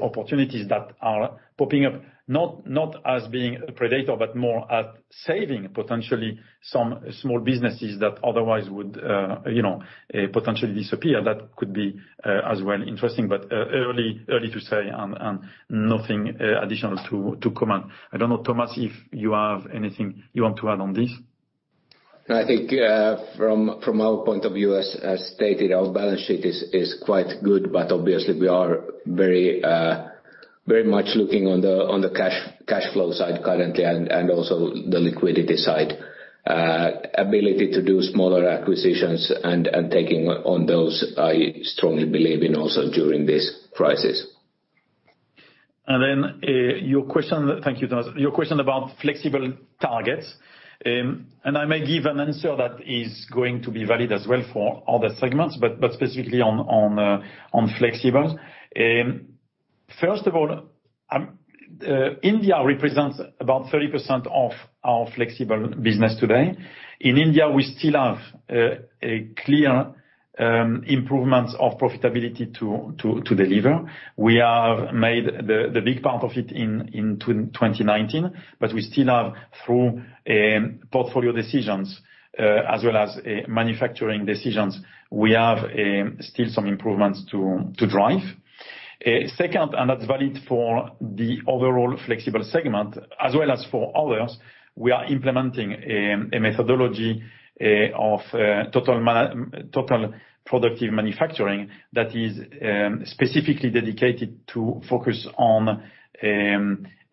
opportunities that are popping up, not as being a predator, but more at saving potentially some small businesses that otherwise would, you know, potentially disappear, that could be as well interesting. But early to say and nothing additional to comment. I don't know, Thomas, if you have anything you want to add on this?
I think, from our point of view, as stated, our balance sheet is quite good, but obviously we are very much looking on the cash flow side currently and also the liquidity side. Ability to do smaller acquisitions and taking on those, I strongly believe in also during this crisis.
And then, your question—thank you, Thomas. Your question about flexible targets, and I may give an answer that is going to be valid as well for other segments, but specifically on Flexibles. First of all, India represents about 30% of our flexible business today. In India, we still have a clear improvements of profitability to deliver. We have made the big part of it in 2019, but we still have, through portfolio decisions, as well as manufacturing decisions, we have still some improvements to drive. Second, and that's valid for the overall flexible segment as well as for others, we are implementing a methodology of Total Productive Manufacturing that is specifically dedicated to focus on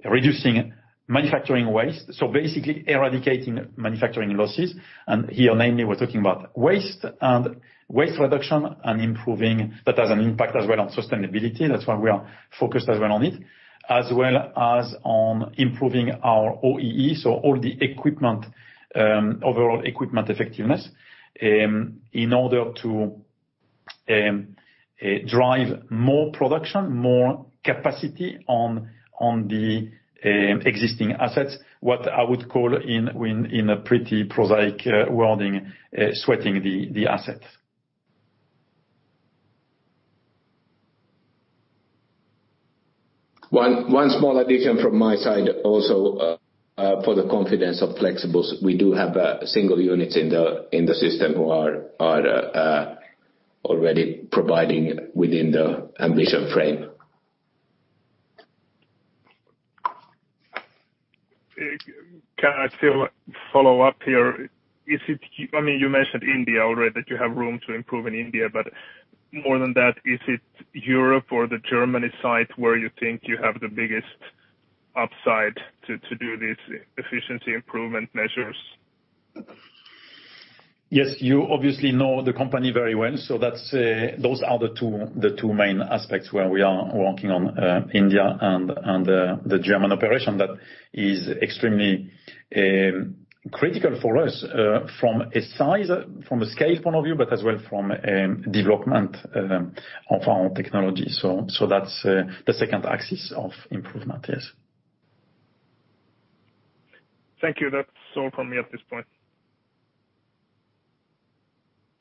reducing manufacturing waste, so basically eradicating manufacturing losses. And here, mainly we're talking about waste and waste reduction and improving. That has an impact as well on sustainability, that's why we are focused as well on it, as well as on improving our OEE, so all the equipment overall equipment effectiveness in order to drive more production, more capacity on the existing assets, what I would call in a pretty prosaic wording, sweating the assets.
One, one small addition from my side also, for the confidence of Flexibles, we do have, single units in the, in the system who are, are, already providing within the ambition frame.
Can I still follow up here? Is it... I mean, you mentioned India already, that you have room to improve in India, but more than that, is it Europe or the Germany side where you think you have the biggest upside to do these efficiency improvement measures?
Yes, you obviously know the company very well, so that's, those are the two, the two main aspects where we are working on, India and, and, the German operation. That is extremely, critical for us, from a size, from a scale point of view, but as well from, development, of our technology. So, so that's, the second axis of improvement, yes.
Thank you. That's all from me at this point.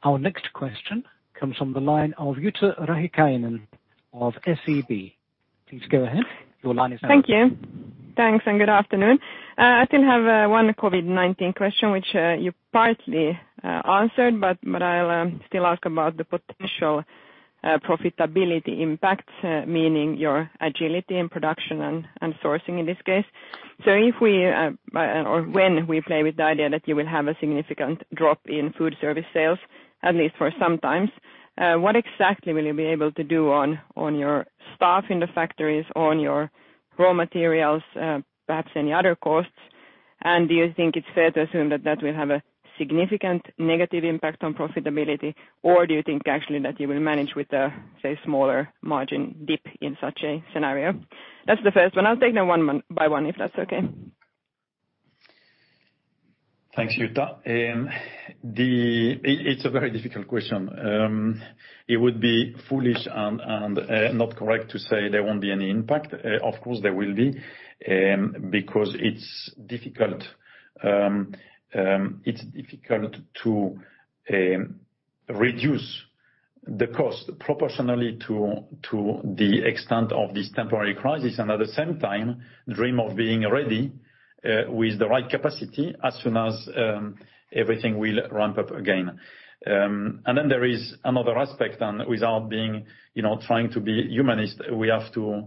Our next question comes from the line of Jutta Rahikainen of SEB. Please go ahead. Your line is now open.
Thank you. Thanks, and good afternoon. I still have one COVID-19 question, which you partly answered, but I'll still ask about the potential profitability impacts, meaning your agility and production and sourcing in this case. So if we or when we play with the idea that you will have a significant drop in Foodservice sales, at least for some times, what exactly will you be able to do on your staff in the factories, on your raw materials, perhaps any other costs? And do you think it's fair to assume that that will have a significant negative impact on profitability, or do you think actually that you will manage with a, say, smaller margin dip in such a scenario? That's the first one. I'll take them one by one, if that's okay. ...
Thanks, Jutta. It's a very difficult question. It would be foolish and not correct to say there won't be any impact. Of course, there will be, because it's difficult to reduce the cost proportionally to the extent of this temporary crisis, and at the same time dream of being ready with the right capacity as soon as everything will ramp up again. And then there is another aspect, and without being, you know, trying to be humanist, we have to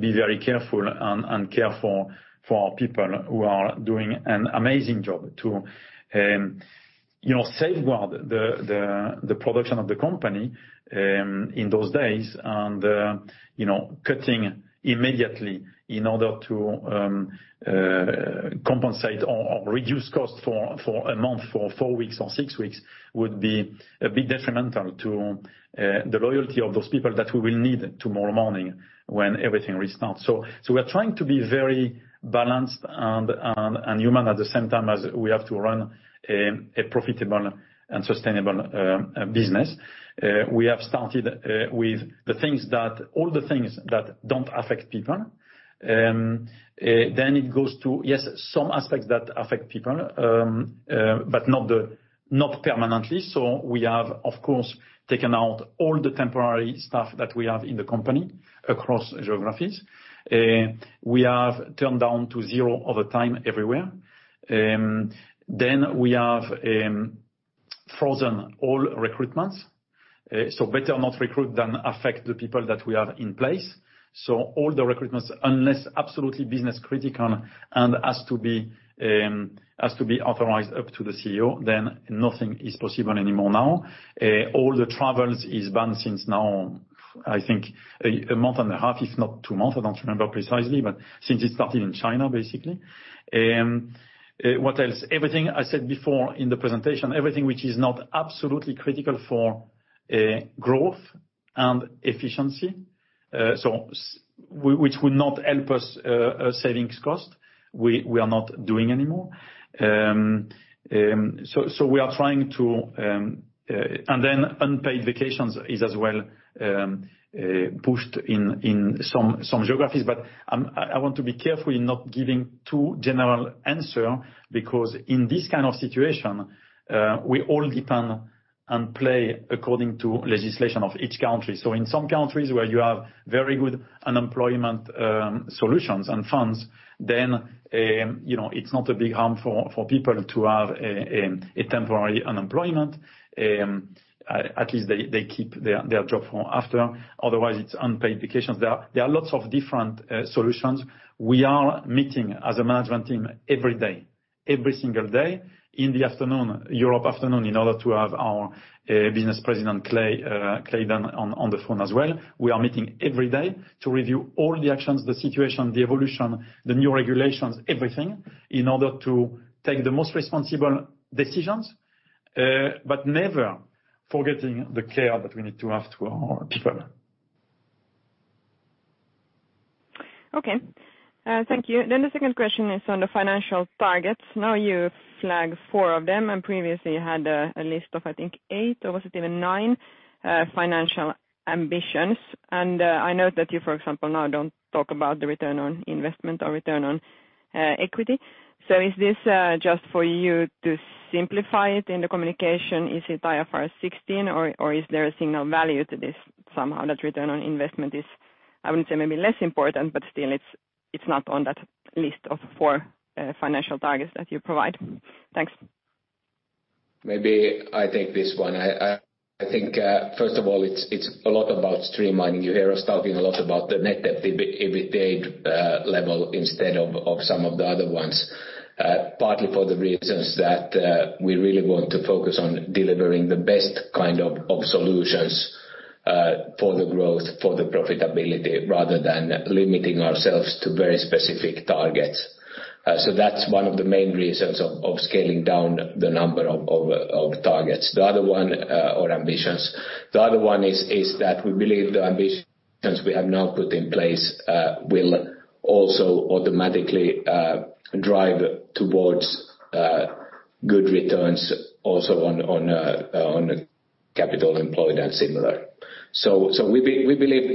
be very careful and care for our people who are doing an amazing job to, you know, safeguard the production of the company in those days. You know, cutting immediately in order to compensate or reduce costs for a month, for four weeks or six weeks, would be a bit detrimental to the loyalty of those people that we will need tomorrow morning when everything restarts. So we're trying to be very balanced and human at the same time as we have to run a profitable and sustainable business. We have started with all the things that don't affect people. Then it goes to, yes, some aspects that affect people, but not permanently. So we have, of course, taken out all the temporary staff that we have in the company across geographies. We have turned down to zero overtime everywhere. Then we have frozen all recruitments. So better not recruit than affect the people that we have in place. So all the recruitments, unless absolutely business critical and has to be, has to be authorized up to the CEO, then nothing is possible anymore now. All the travels is banned since now, I think a month and a half, if not two months, I don't remember precisely, but since it started in China, basically. What else? Everything I said before in the presentation, everything which is not absolutely critical for growth and efficiency, so which would not help us savings cost, we are not doing anymore. So we are trying to... And then unpaid vacations is as well pushed in some geographies. But I want to be careful in not giving too general answer, because in this kind of situation, we all depend and play according to legislation of each country. So in some countries where you have very good unemployment solutions and funds, then, you know, it's not a big harm for people to have a temporary unemployment, at least they keep their job for after. Otherwise, it's unpaid vacations. There are lots of different solutions. We are meeting as a management team every day, every single day, in the afternoon, Europe afternoon, in order to have our business president, Clay Dunn, on the phone as well. We are meeting every day to review all the actions, the situation, the evolution, the new regulations, everything, in order to take the most responsible decisions, but never forgetting the care that we need to have to our people.
Okay. Thank you. Then the second question is on the financial targets. Now, you flagged 4 of them, and previously you had a list of, I think, 8, or was it even 9, financial ambitions. And, I note that you, for example, now don't talk about the return on investment or return on equity. So is this just for you to simplify it in the communication? Is it IFRS 16, or is there a signal value to this somehow, that return on investment is, I wouldn't say maybe less important, but still it's not on that list of 4 financial targets that you provide? Thanks.
Maybe I take this one. I think, first of all, it's a lot about streamlining. You hear us talking a lot about the net debt EBITDA level instead of some of the other ones, partly for the reasons that we really want to focus on delivering the best kind of solutions for the growth, for the profitability, rather than limiting ourselves to very specific targets. So that's one of the main reasons of scaling down the number of targets. The other one, or ambitions. The other one is that we believe the ambitions we have now put in place will also automatically drive towards good returns also on the capital employed and similar. We believe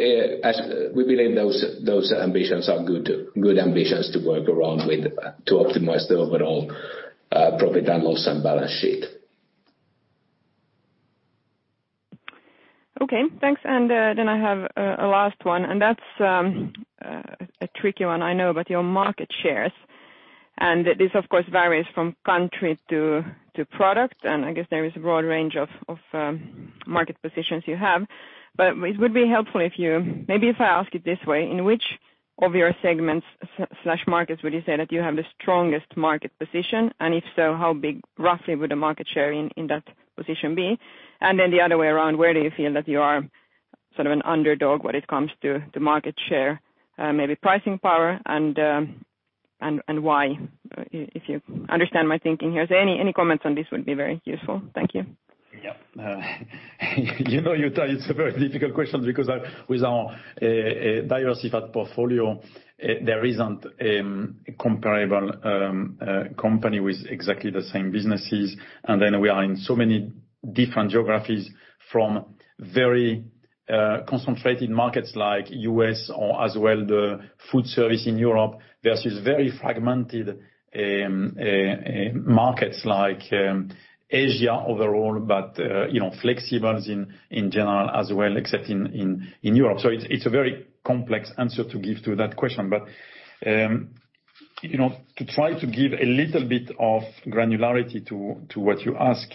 those ambitions are good ambitions to work around with, to optimize the overall profit and loss and balance sheet.
Okay, thanks. And then I have a last one, and that's a tricky one, I know, about your market shares. And this, of course, varies from country to product, and I guess there is a broad range of market positions you have. But it would be helpful if you... Maybe if I ask it this way: In which of your segments-slash markets would you say that you have the strongest market position? And if so, how big, roughly, would the market share in that position be? And then the other way around, where do you feel that you are sort of an underdog when it comes to market share, maybe pricing power, and why? If you understand my thinking here. So any comments on this would be very useful. Thank you....
Yeah, you know, Jutta, it's a very difficult question because, with our, diversified portfolio, there isn't, a comparable, company with exactly the same businesses. And then we are in so many different geographies from very, concentrated markets like US or as well, the Foodservice in Europe versus very fragmented, markets like, Asia overall. But, you know, Flexibles in Europe. So it's, it's a very complex answer to give to that question. But, you know, to try to give a little bit of granularity to what you ask,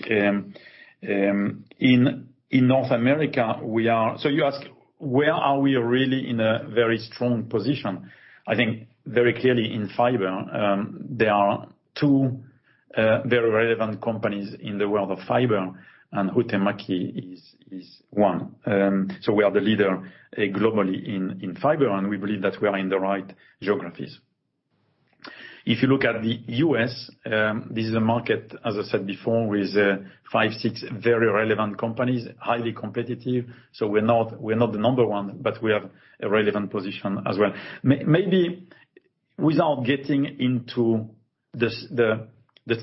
in North America, we are-- So you ask, where are we really in a very strong position? I think very clearly in Fiber. There are two very relevant companies in the world of Fiber, and Huhtamäki is one. So we are the leader globally in Fiber, and we believe that we are in the right geographies. If you look at the U.S., this is a market, as I said before, with 5-6 very relevant companies, highly competitive. So we're not the number one, but we have a relevant position as well. Maybe without getting into the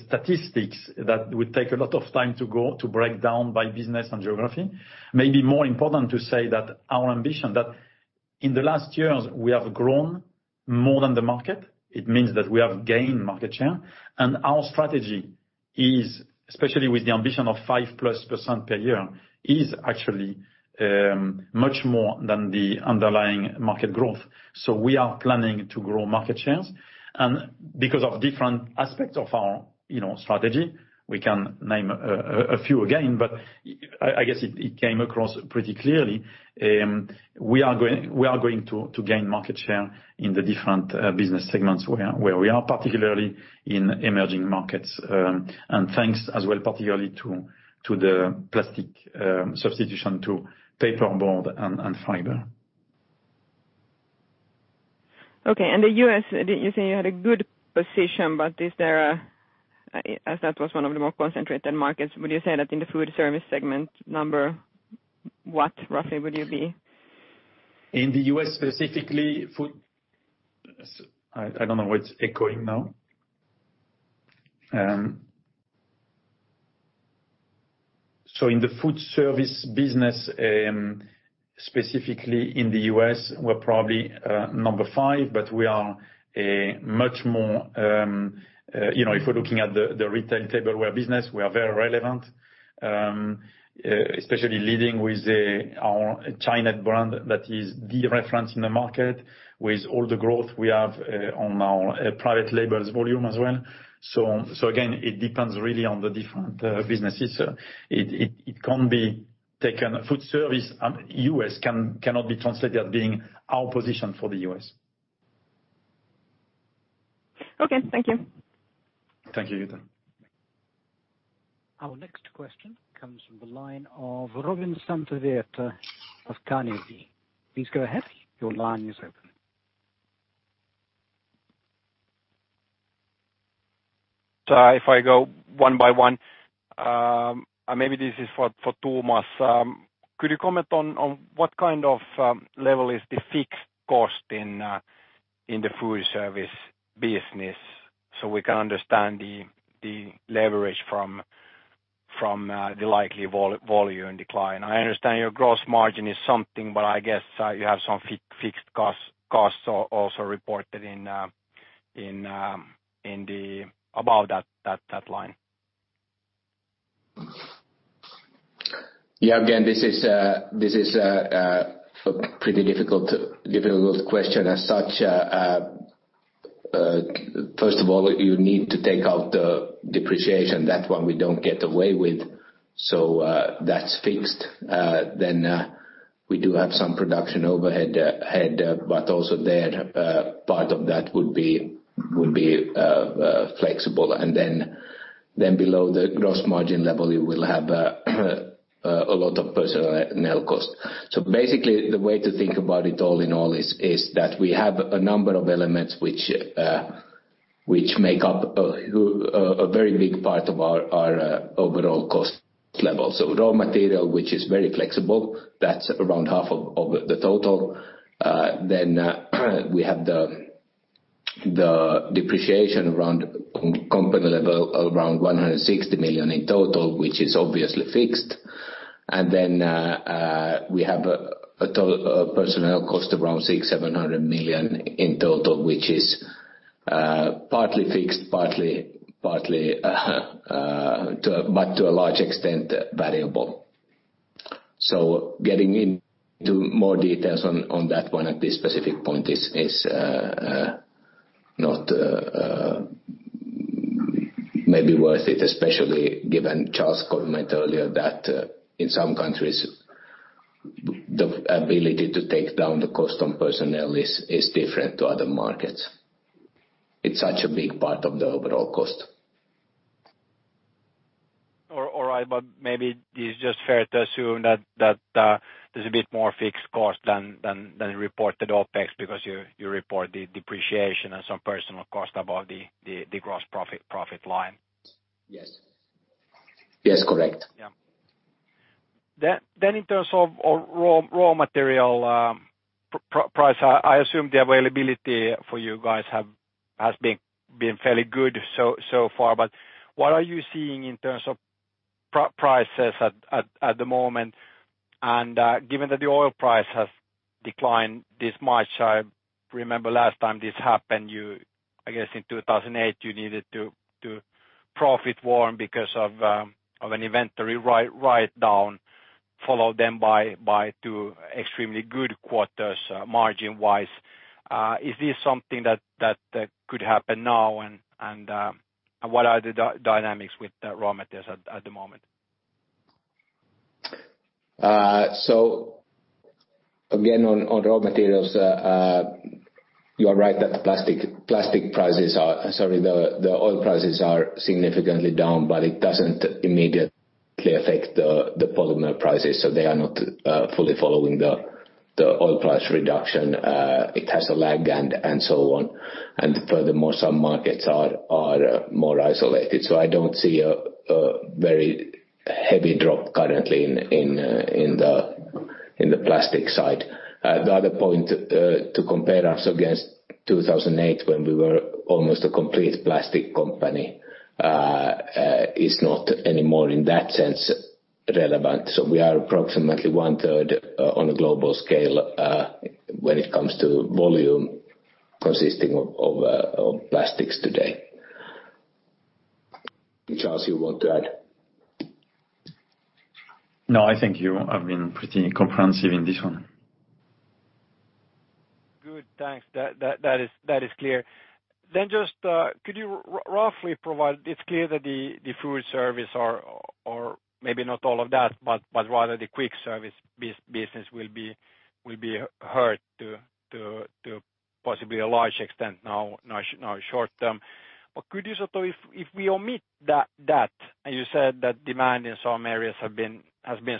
statistics, that would take a lot of time to go to break down by business and geography, maybe more important to say that our ambition, that in the last years we have grown more than the market. It means that we have gained market share. Our strategy is, especially with the ambition of 5%+ per year, actually much more than the underlying market growth. So we are planning to grow market shares. And because of different aspects of our, you know, strategy, we can name a few again, but I guess it came across pretty clearly. We are going to gain market share in the different business segments where we are, particularly in emerging markets, and thanks as well, particularly to the plastic substitution to paperboard and Fiber.
Okay, and the U.S., you say you had a good position, but is there a, as that was one of the more concentrated markets, would you say that in the Foodservice segment number, what roughly would you be?
In the U.S., specifically in the Foodservice business, specifically in the U.S., we're probably number 5, but we are a much more, you know, if we're looking at the retail tableware business, we are very relevant, especially leading with our Chinet brand. That is the reference in the market with all the growth we have on our private labels volume as well. So again, it depends really on the different businesses. It can't be taken. Foodservice U.S. cannot be translated as being our position for the U.S.
Okay. Thank you.
Thank you, Jutta.
Our next question comes from the line of Robin Santavirta of Carnegie. Please go ahead. Your line is open.
So if I go one by one, and maybe this is for Thomas. Could you comment on what kind of level is the fixed cost in the Foodservice business so we can understand the leverage from the likely volume decline? I understand your gross margin is something, but I guess you have some fixed costs also reported in the above that line.
Yeah. Again, this is a pretty difficult, difficult question as such. First of all, you need to take out the depreciation. That one we don't get away with, so, that's fixed. Then, we do have some production overhead, but also there, part of that would be, would be flexible. And then below the gross margin level, you will have a lot of personnel cost. So basically, the way to think about it all in all is, is that we have a number of elements which make up a very big part of our overall cost level. So raw material, which is very flexible, that's around half of the total. Then we have the depreciation around company level, around 160 million in total, which is obviously fixed. Then we have personnel cost around 600 million-700 million in total, which is partly fixed, partly but to a large extent variable. So getting into more details on that one at this specific point is not, maybe, worth it, especially given Charles' comment earlier, that in some countries the ability to take down the cost on personnel is different to other markets. It's such a big part of the overall cost.
All right, but maybe it's just fair to assume that there's a bit more fixed cost than reported OpEx, because you report the depreciation and some personnel cost above the gross profit line.
Yes. Yes, correct....
Then in terms of raw material price, I assume the availability for you guys have has been fairly good so far. But what are you seeing in terms of prices at the moment? And given that the oil price has declined this much, I remember last time this happened, you I guess in 2008 you needed to profit warn because of an inventory write down, followed then by two extremely good quarters margin-wise. Is this something that could happen now, and what are the dynamics with the raw materials at the moment?
So again, on raw materials, you are right that the oil prices are significantly down, but it doesn't immediately affect the polymer prices, so they are not fully following the oil price reduction. It has a lag and so on. And furthermore, some markets are more isolated, so I don't see a very heavy drop currently in the plastic side. The other point to compare us against 2008, when we were almost a complete plastic company, is not anymore in that sense relevant. So we are approximately 1/3, on a global scale, when it comes to volume consisting of plastics today. Charles, you want to add?
No, I think you have been pretty comprehensive in this one.
Good, thanks. That is clear. Then just, could you roughly provide... It's clear that the Foodservice or maybe not all of that, but rather the quick service business will be hurt to possibly a large extent now, short term. But could you sort of, if we omit that, and you said that demand in some areas has been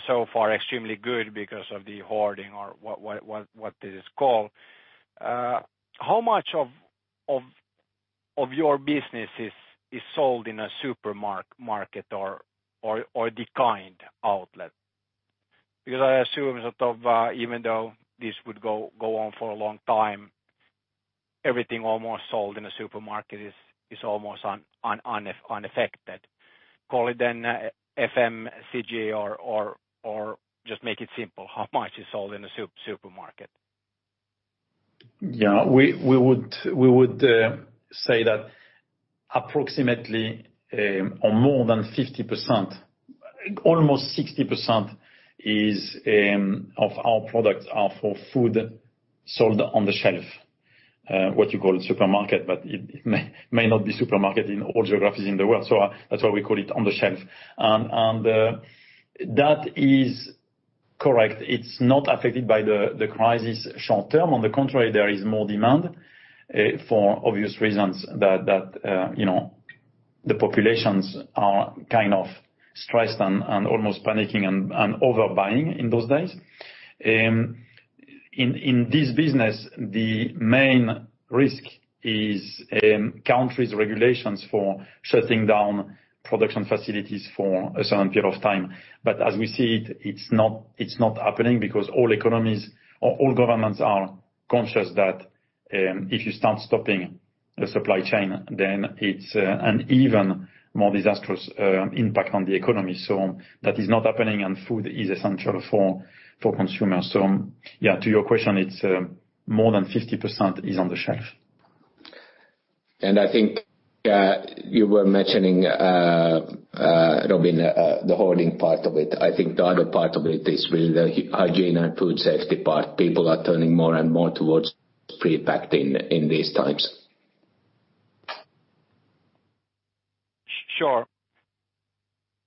so far extremely good because of the hoarding or what it is called, how much of your business is sold in a supermarket or the kind outlet? Because I assume sort of, even though this would go on for a long time, everything almost sold in a supermarket is almost unaffected. Call it then, FMCG or just make it simple, how much is sold in a supermarket?
Yeah. We would say that approximately or more than 50%, almost 60% is of our products are for food sold on the shelf, what you call supermarket, but it may not be supermarket in all geographies in the world, so that's why we call it on the shelf. And that is correct, it's not affected by the crisis short term. On the contrary, there is more demand for obvious reasons that you know, the populations are kind of stressed and almost panicking and overbuying in those days. In this business, the main risk is countries' regulations for shutting down production facilities for a certain period of time. But as we see it, it's not, it's not happening because all economies or all governments are conscious that, if you start stopping the supply chain, then it's an even more disastrous impact on the economy. So that is not happening, and food is essential for, for consumers. So yeah, to your question, it's more than 50% is on the shelf.
I think you were mentioning, Robin, the hoarding part of it. I think the other part of it is really the hygiene and food safety part. People are turning more and more towards pre-packing in these times.
Sure.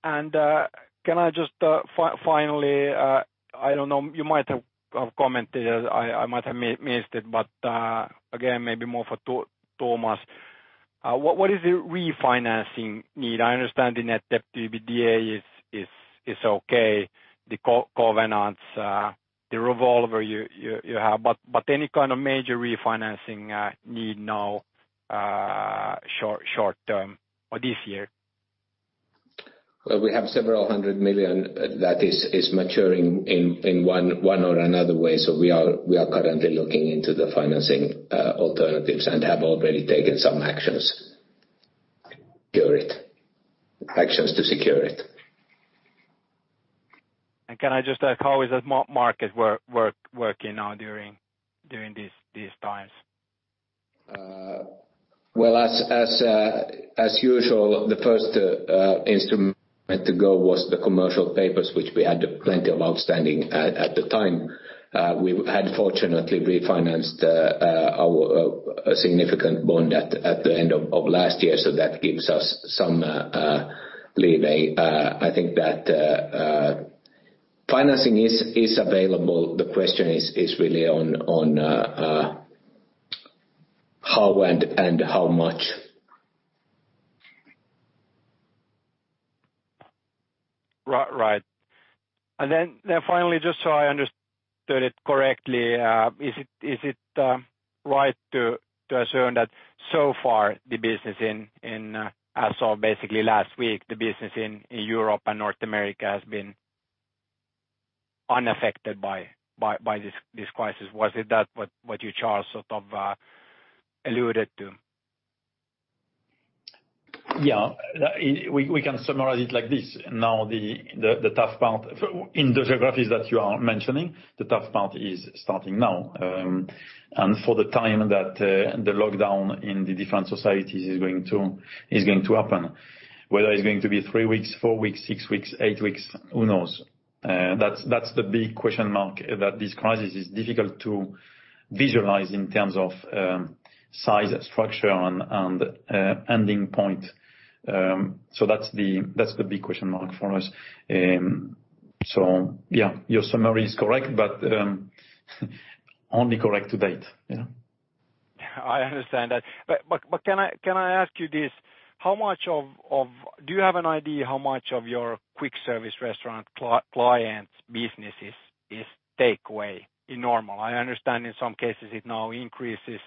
And can I just finally, I don't know, you might have commented, I might have missed it, but again, maybe more for Thomas, what is the refinancing need? I understand the net debt to EBITDA is okay, the covenants, the revolver you have, but any kind of major refinancing need now, short term or this year?
Well, we have several hundred million EUR that is maturing in one or another way, so we are currently looking into the financing alternatives and have already taken some current actions to secure it.
Can I just, how is the market working now during these times?
Well, as usual, the first instrument to go was the commercial paper, which we had plenty of outstanding at the time. We had fortunately refinanced our significant bond at the end of last year, so that gives us some leeway. I think that financing is available, the question is really on how and how much.
Right. And then finally, just so I heard it correctly, is it right to assume that so far the business in Europe and North America has been unaffected by this crisis? Was that what you, Charles, sort of alluded to?
Yeah. We can summarize it like this. Now, the tough part in the geographies that you are mentioning, the tough part is starting now. And for the time that the lockdown in the different societies is going to happen. Whether it's going to be 3 weeks, 4 weeks, 6 weeks, 8 weeks, who knows? That's the big question mark, that this crisis is difficult to visualize in terms of size, structure, and ending point. So that's the big question mark for us. So yeah, your summary is correct, but only correct to date, you know?
I understand that. But can I ask you this: How much of... Do you have an idea how much of your quick service restaurant clients' businesses is takeaway in normal? I understand in some cases it now increases,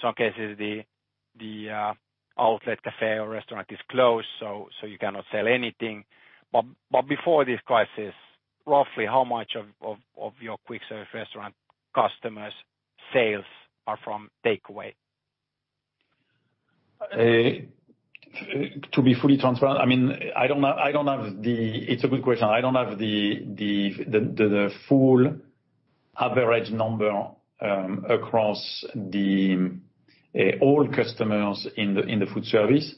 some cases the outlet, cafe or restaurant is closed, so you cannot sell anything. But before this crisis, roughly how much of your quick service restaurant customers' sales are from takeaway?
To be fully transparent, I mean, I don't have the... It's a good question. I don't have the full average number across the old customers in the Foodservice,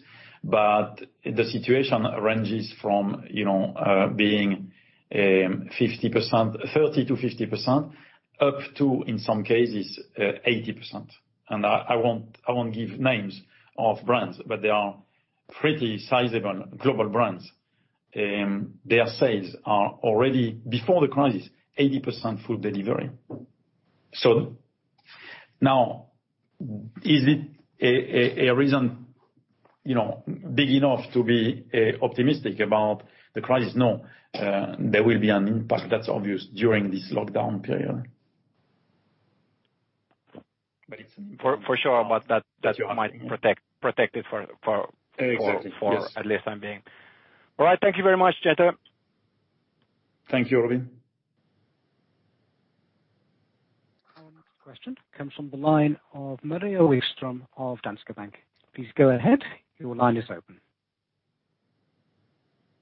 but the situation ranges from, you know, being 30%-50%, up to, in some cases, 80%. And I won't give names of brands, but they are pretty sizable global brands. Their sales are already, before the crisis, 80% food delivery. So now, is it a reason, you know, big enough to be optimistic about the crisis? No. There will be an impact, that's obvious, during this lockdown period.
But it's for sure, but that might protect it for-
Exactly, yes.
for at least the time being. All right, thank you very much, gentlemen.
Thank you, Robin.
Our next question comes from the line of Maria Wikström of Danske Bank. Please go ahead, your line is open.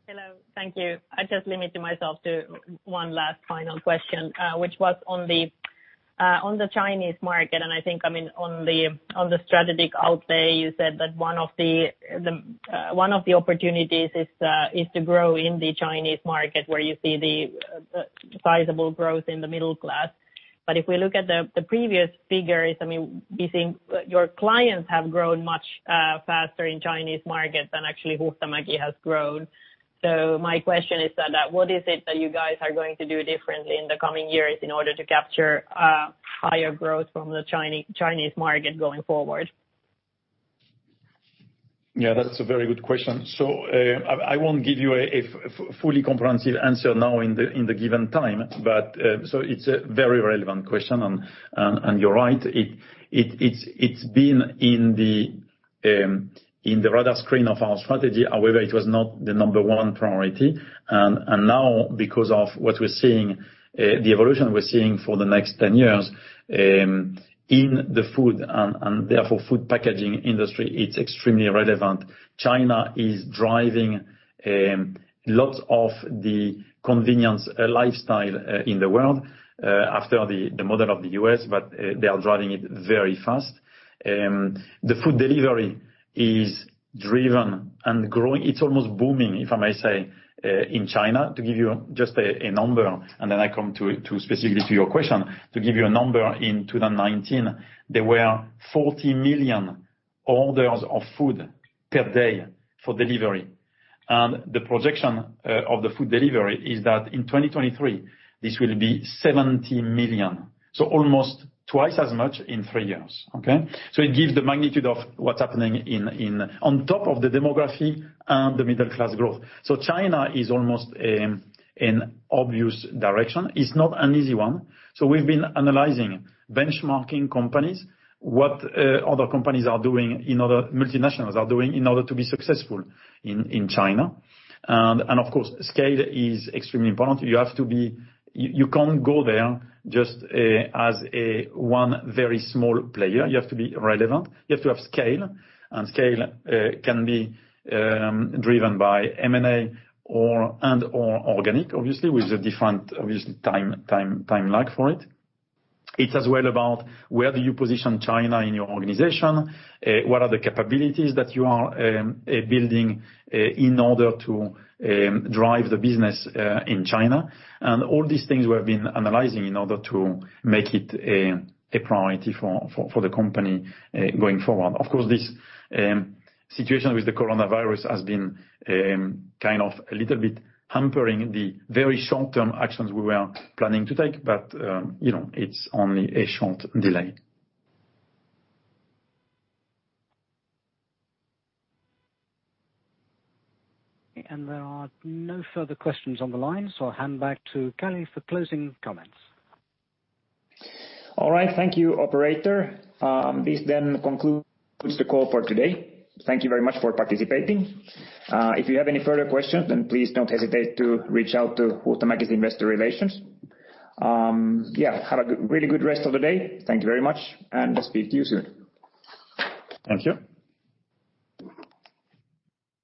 Hello, thank you. I'll just limit myself to one last final question, which was on the Chinese market. I think, I mean, on the strategic outlay, you said that one of the opportunities is to grow in the Chinese market, where you see the sizable growth in the middle class. But if we look at the previous figures, I mean, we think your clients have grown much faster in Chinese market than actually Huhtamäki has grown. So my question is that what is it that you guys are going to do differently in the coming years in order to capture higher growth from the Chinese market going forward?
Yeah, that's a very good question. So, I won't give you a fully comprehensive answer now in the given time, but... So it's a very relevant question, and you're right. It's been in the radar screen of our strategy, however, it was not the number one priority. And now because of what we're seeing, the evolution we're seeing for the next 10 years, in the food and therefore food packaging industry, it's extremely relevant. China is driving lots of the convenience lifestyle in the world, after the model of the U.S., but they are driving it very fast. The food delivery is driven and growing. It's almost booming, if I may say, in China. To give you just a number, and then I come to specifically to your question. To give you a number, in 2019, there were 40 million orders of food per day for delivery, and the projection of the food delivery is that in 2023, this will be 70 million. So almost twice as much in three years, okay? So it gives the magnitude of what's happening in on top of the demography and the middle-class growth. So China is almost an obvious direction. It's not an easy one, so we've been analyzing, benchmarking companies, what other companies are doing, other multinationals are doing in order to be successful in China. And of course, scale is extremely important. You have to be. You can't go there just as a one very small player. You have to be relevant. You have to have scale, and scale can be driven by M&A or and/or organic, obviously, with a different obviously time lag for it. It's as well about where do you position China in your organization? What are the capabilities that you are building in order to drive the business in China? And all these things we have been analyzing in order to make it a priority for the company going forward. Of course, this situation with the coronavirus has been kind of a little bit hampering the very short-term actions we were planning to take, but you know, it's only a short delay.
There are no further questions on the line, so I'll hand back to Calle for closing comments.
All right. Thank you, operator. This then concludes the call for today. Thank you very much for participating. If you have any further questions, then please don't hesitate to reach out to Huhtamäki's Investor Relations. Yeah, have a good, really good rest of the day. Thank you very much, and speak to you soon.
Thank you.